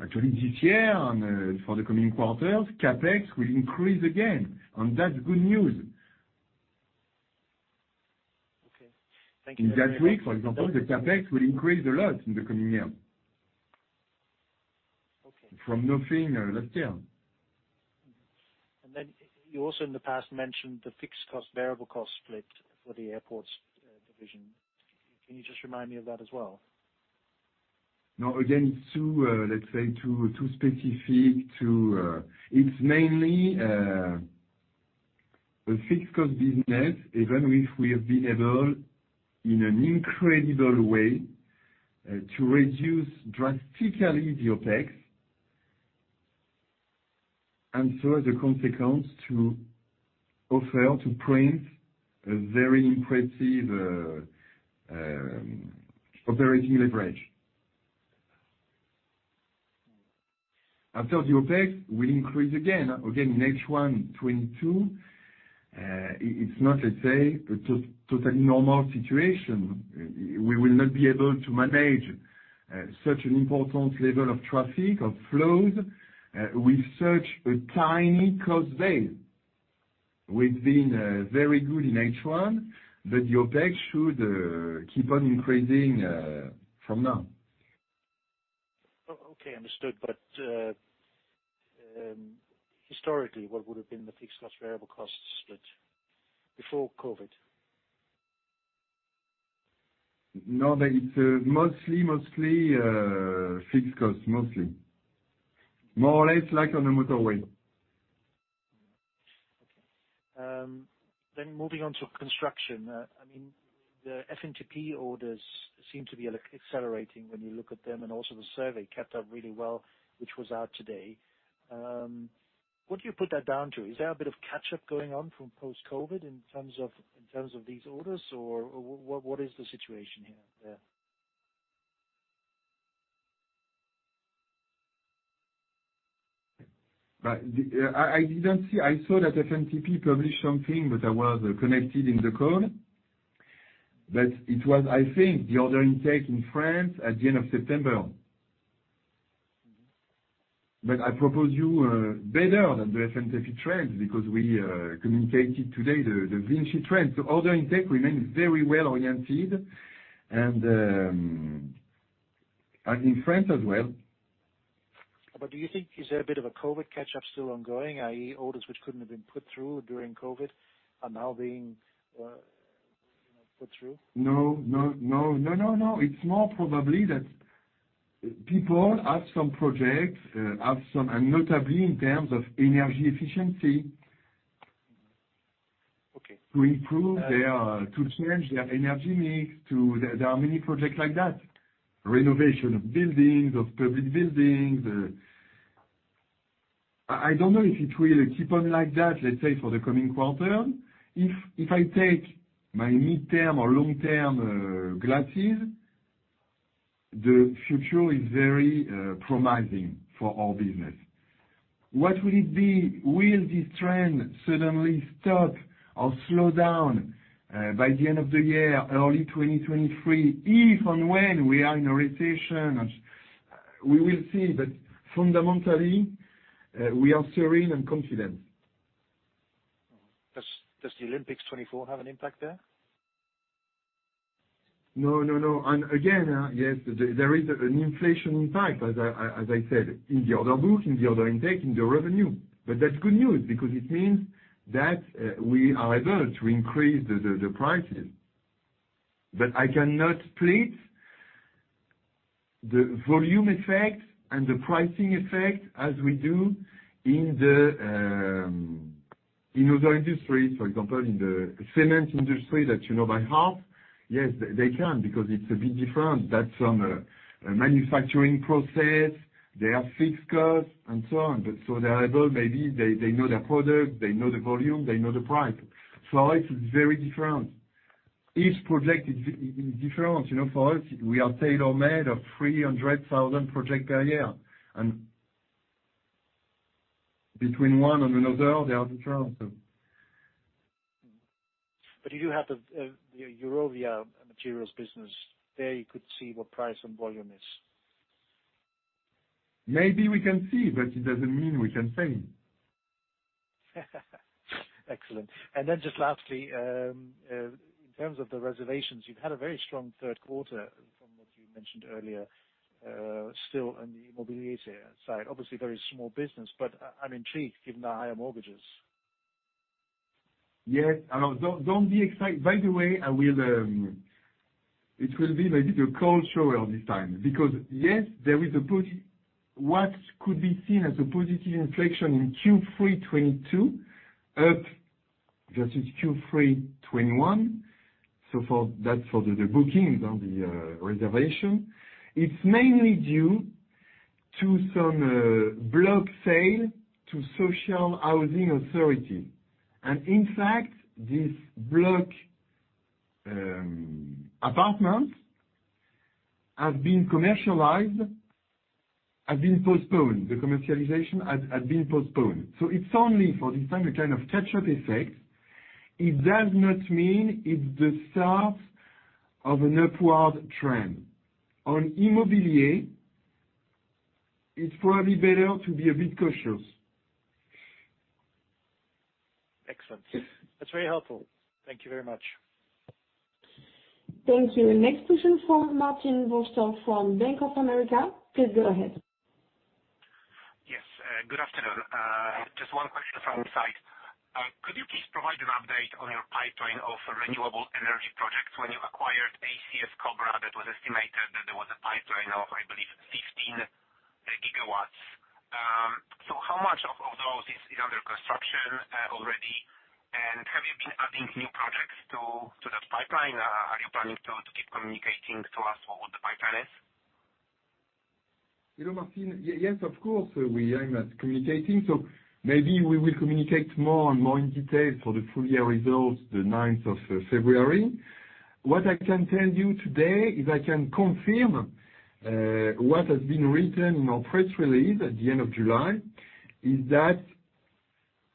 actually this year and for the coming quarters, CapEx will increase again, and that's good news. Okay. Thank you. In that week, for example, the CapEx will increase a lot in the coming year. Okay. From nothing last year. You also in the past mentioned the fixed cost, variable cost split for the airports, division. Can you just remind me of that as well? No. Again, it's too specific to. It's mainly a fixed cost business, even if we have been able in an incredible way to reduce drastically the OpEx, and so as a consequence to offer impressive operating leverage. After the OpEx will increase again in 2022, it's not, let's say, a totally normal situation. We will not be able to manage such an important level of traffic, of flows with such a tiny cost base. We've been very good in H1, but the OpEx should keep on increasing from now. Okay, understood. Historically, what would have been the fixed cost, variable cost split before COVID? No, it's mostly fixed cost. Mostly. More or less like on a motorway. Okay. Moving on to construction. I mean, the FNTP orders seem to be accelerating when you look at them. Also the survey picked up really well, which was out today. What do you put that down to? Is there a bit of catch-up going on from post-COVID in terms of these orders? Or what is the situation here, there? I didn't see. I saw that FNTP published something, but I was connected in the call. It was, I think, the order intake in France at the end of September. I propose you better than the FNTP trends because we communicated today the VINCI trend. Order intake remains very well oriented and, as in France as well. Do you think, is there a bit of a COVID catch-up still ongoing, i.e., orders which couldn't have been put through during COVID are now being, you know, put through? No, no. It's more probably that people have some projects and notably in terms of energy efficiency. Okay. To change their energy mix to. There are many projects like that, renovation of buildings, of public buildings. I don't know if it will keep on like that, let's say, for the coming quarter. If I take my midterm or long-term glasses, the future is very promising for our business. What will it be? Will this trend suddenly stop or slow down by the end of the year, early 2023, if and when we are in a recession? We will see. Fundamentally, we are serene and confident. Does the Olympics 2024 have an impact there? No, no. Again, yes, there is an inflation impact, as I said, in the order book, in the order intake, in the revenue. That's good news because it means that we are able to increase the prices. I cannot split the volume effect and the pricing effect as we do in other industries, for example, in the cement industry that you know by heart. Yes, they can because it's a bit different. That's from a manufacturing process. They have fixed costs and so on. They are able, maybe they know their product, they know the volume, they know the price. It's very different. Each project is different. You know, for us, we are tailor-made of 300,000 project per year, and between one and another, they are different. You do have the Eurovia Materials business. There you could see what price and volume is. Maybe we can see, but it doesn't mean we can say. Excellent. Then just lastly, in terms of the reservations, you've had a very strong third quarter from what you mentioned earlier, still on the Immobilier side. Obviously, very small business, but I'm intrigued given the higher mortgages. Yes. Don't be excited. By the way, it will be maybe the cold shower this time, because yes, there is a positive inflection in Q3 2022 up versus Q3 2021. That's for the bookings on the reservation. It's mainly due to some block sale to social housing authority. In fact, this block apartments have been commercialized have been postponed. The commercialization has been postponed. It's only for this time, a kind of catch-up effect. It does not mean it's the start of an upward trend. On Immobilier, it's probably better to be a bit cautious. Excellent. That's very helpful. Thank you very much. Thank you. Next question from Marcin Wojtal from Bank of America. Please go ahead. Yes, good afternoon. Just one question from our side. Could you please provide an update on your pipeline of renewable energy projects when you acquired Cobra IS, that was estimated that there was a pipeline of, I believe, 15 GW. So how much of those is under construction already? Have you been adding new projects to that pipeline? Are you planning to keep communicating to us what the pipeline is? You know, Marcin, yes, of course, we aim at communicating. Maybe we will communicate more and more in detail for the full year results, the ninth of February. What I can tell you today is I can confirm what has been written in our press release at the end of July, is that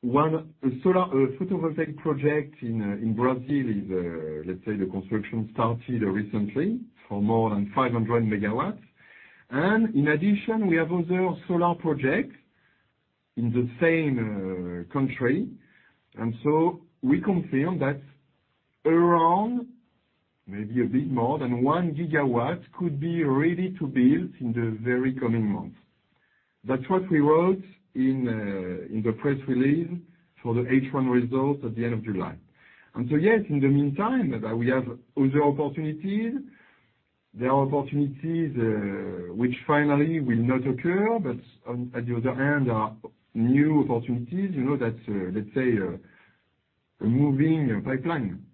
one solar photovoltaic project in Brazil is, let's say, the construction started recently for more than 500 MW. In addition, we have other solar projects in the same country. We confirm that around maybe a bit more than 1 GW could be ready to build in the very coming months. That's what we wrote in the press release for the H1 results at the end of July. Yes, in the meantime, that we have other opportunities. There are opportunities which finally will not occur, but at the other end, there are new opportunities, you know, that's, let's say, a moving pipeline.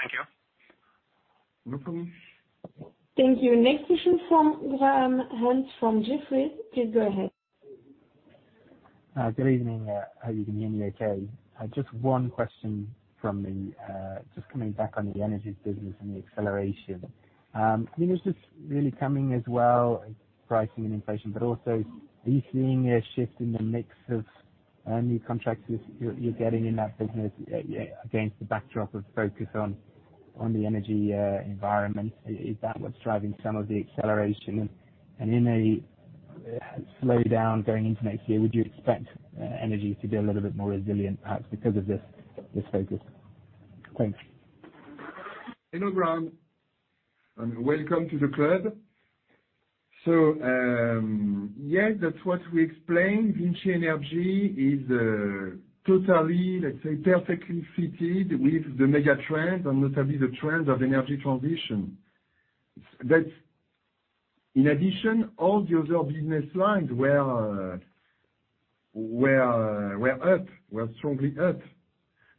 Thank you. No problem. Thank you. Next question from Graham Hunt from Jefferies. Please go ahead. Good evening. Hope you can hear me okay. Just one question from me. Just coming back on the energy business and the acceleration. I mean, it's just really coming as well, pricing and inflation, but also are you seeing a shift in the mix of new contracts you're getting in that business against the backdrop of focus on the energy environment? Is that what's driving some of the acceleration? In a slowdown going into next year, would you expect energy to be a little bit more resilient, perhaps because of this focus? Thanks. Hello, Graham, and welcome to the club. Yes, that's what we explained. VINCI Energies is totally, let's say, perfectly fitted with the mega trend and notably the trend of energy transition. In addition, all the other business lines were strongly up.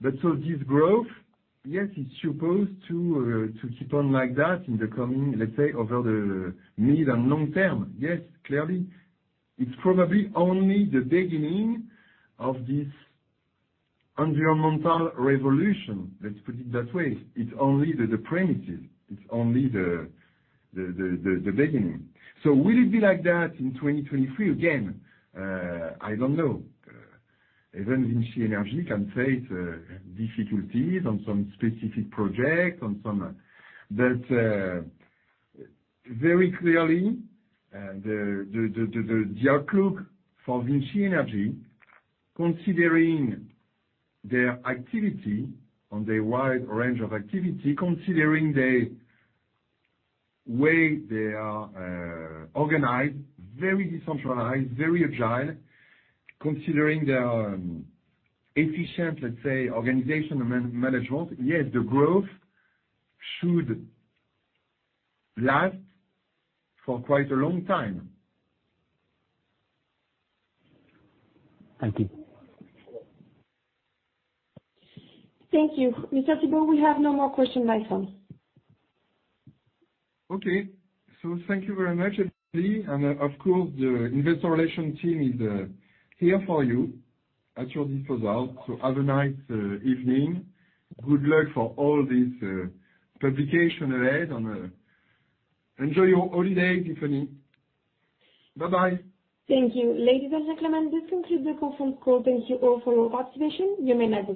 This growth, yes, it's supposed to keep on like that in the coming, let's say, over the mid and long term. Yes, clearly, it's probably only the beginning of this environmental revolution. Let's put it that way. It's only the premises. It's only the beginning. Will it be like that in 2023? Again, I don't know. Even VINCI Energies can face difficulties on some specific projects, on some. Very clearly, the outlook for VINCI Energies, considering their activity on the wide range of activity, considering the way they are organized, very decentralized, very agile, considering their efficient, let's say, organizational man-management, yes, the growth should last for quite a long time. Thank you. Thank you. Mr. Thibault, we have no more questions on the phone line. Okay. Thank you very much, everybody. Of course, the Investor Relations team is here for you at your disposal. Have a nice evening. Good luck for all this publication ahead, and enjoy your holiday, Tiffany. Bye-bye. Thank you. Ladies and gentlemen, this concludes the conference call. Thank you all for your participation. You may now disconnect.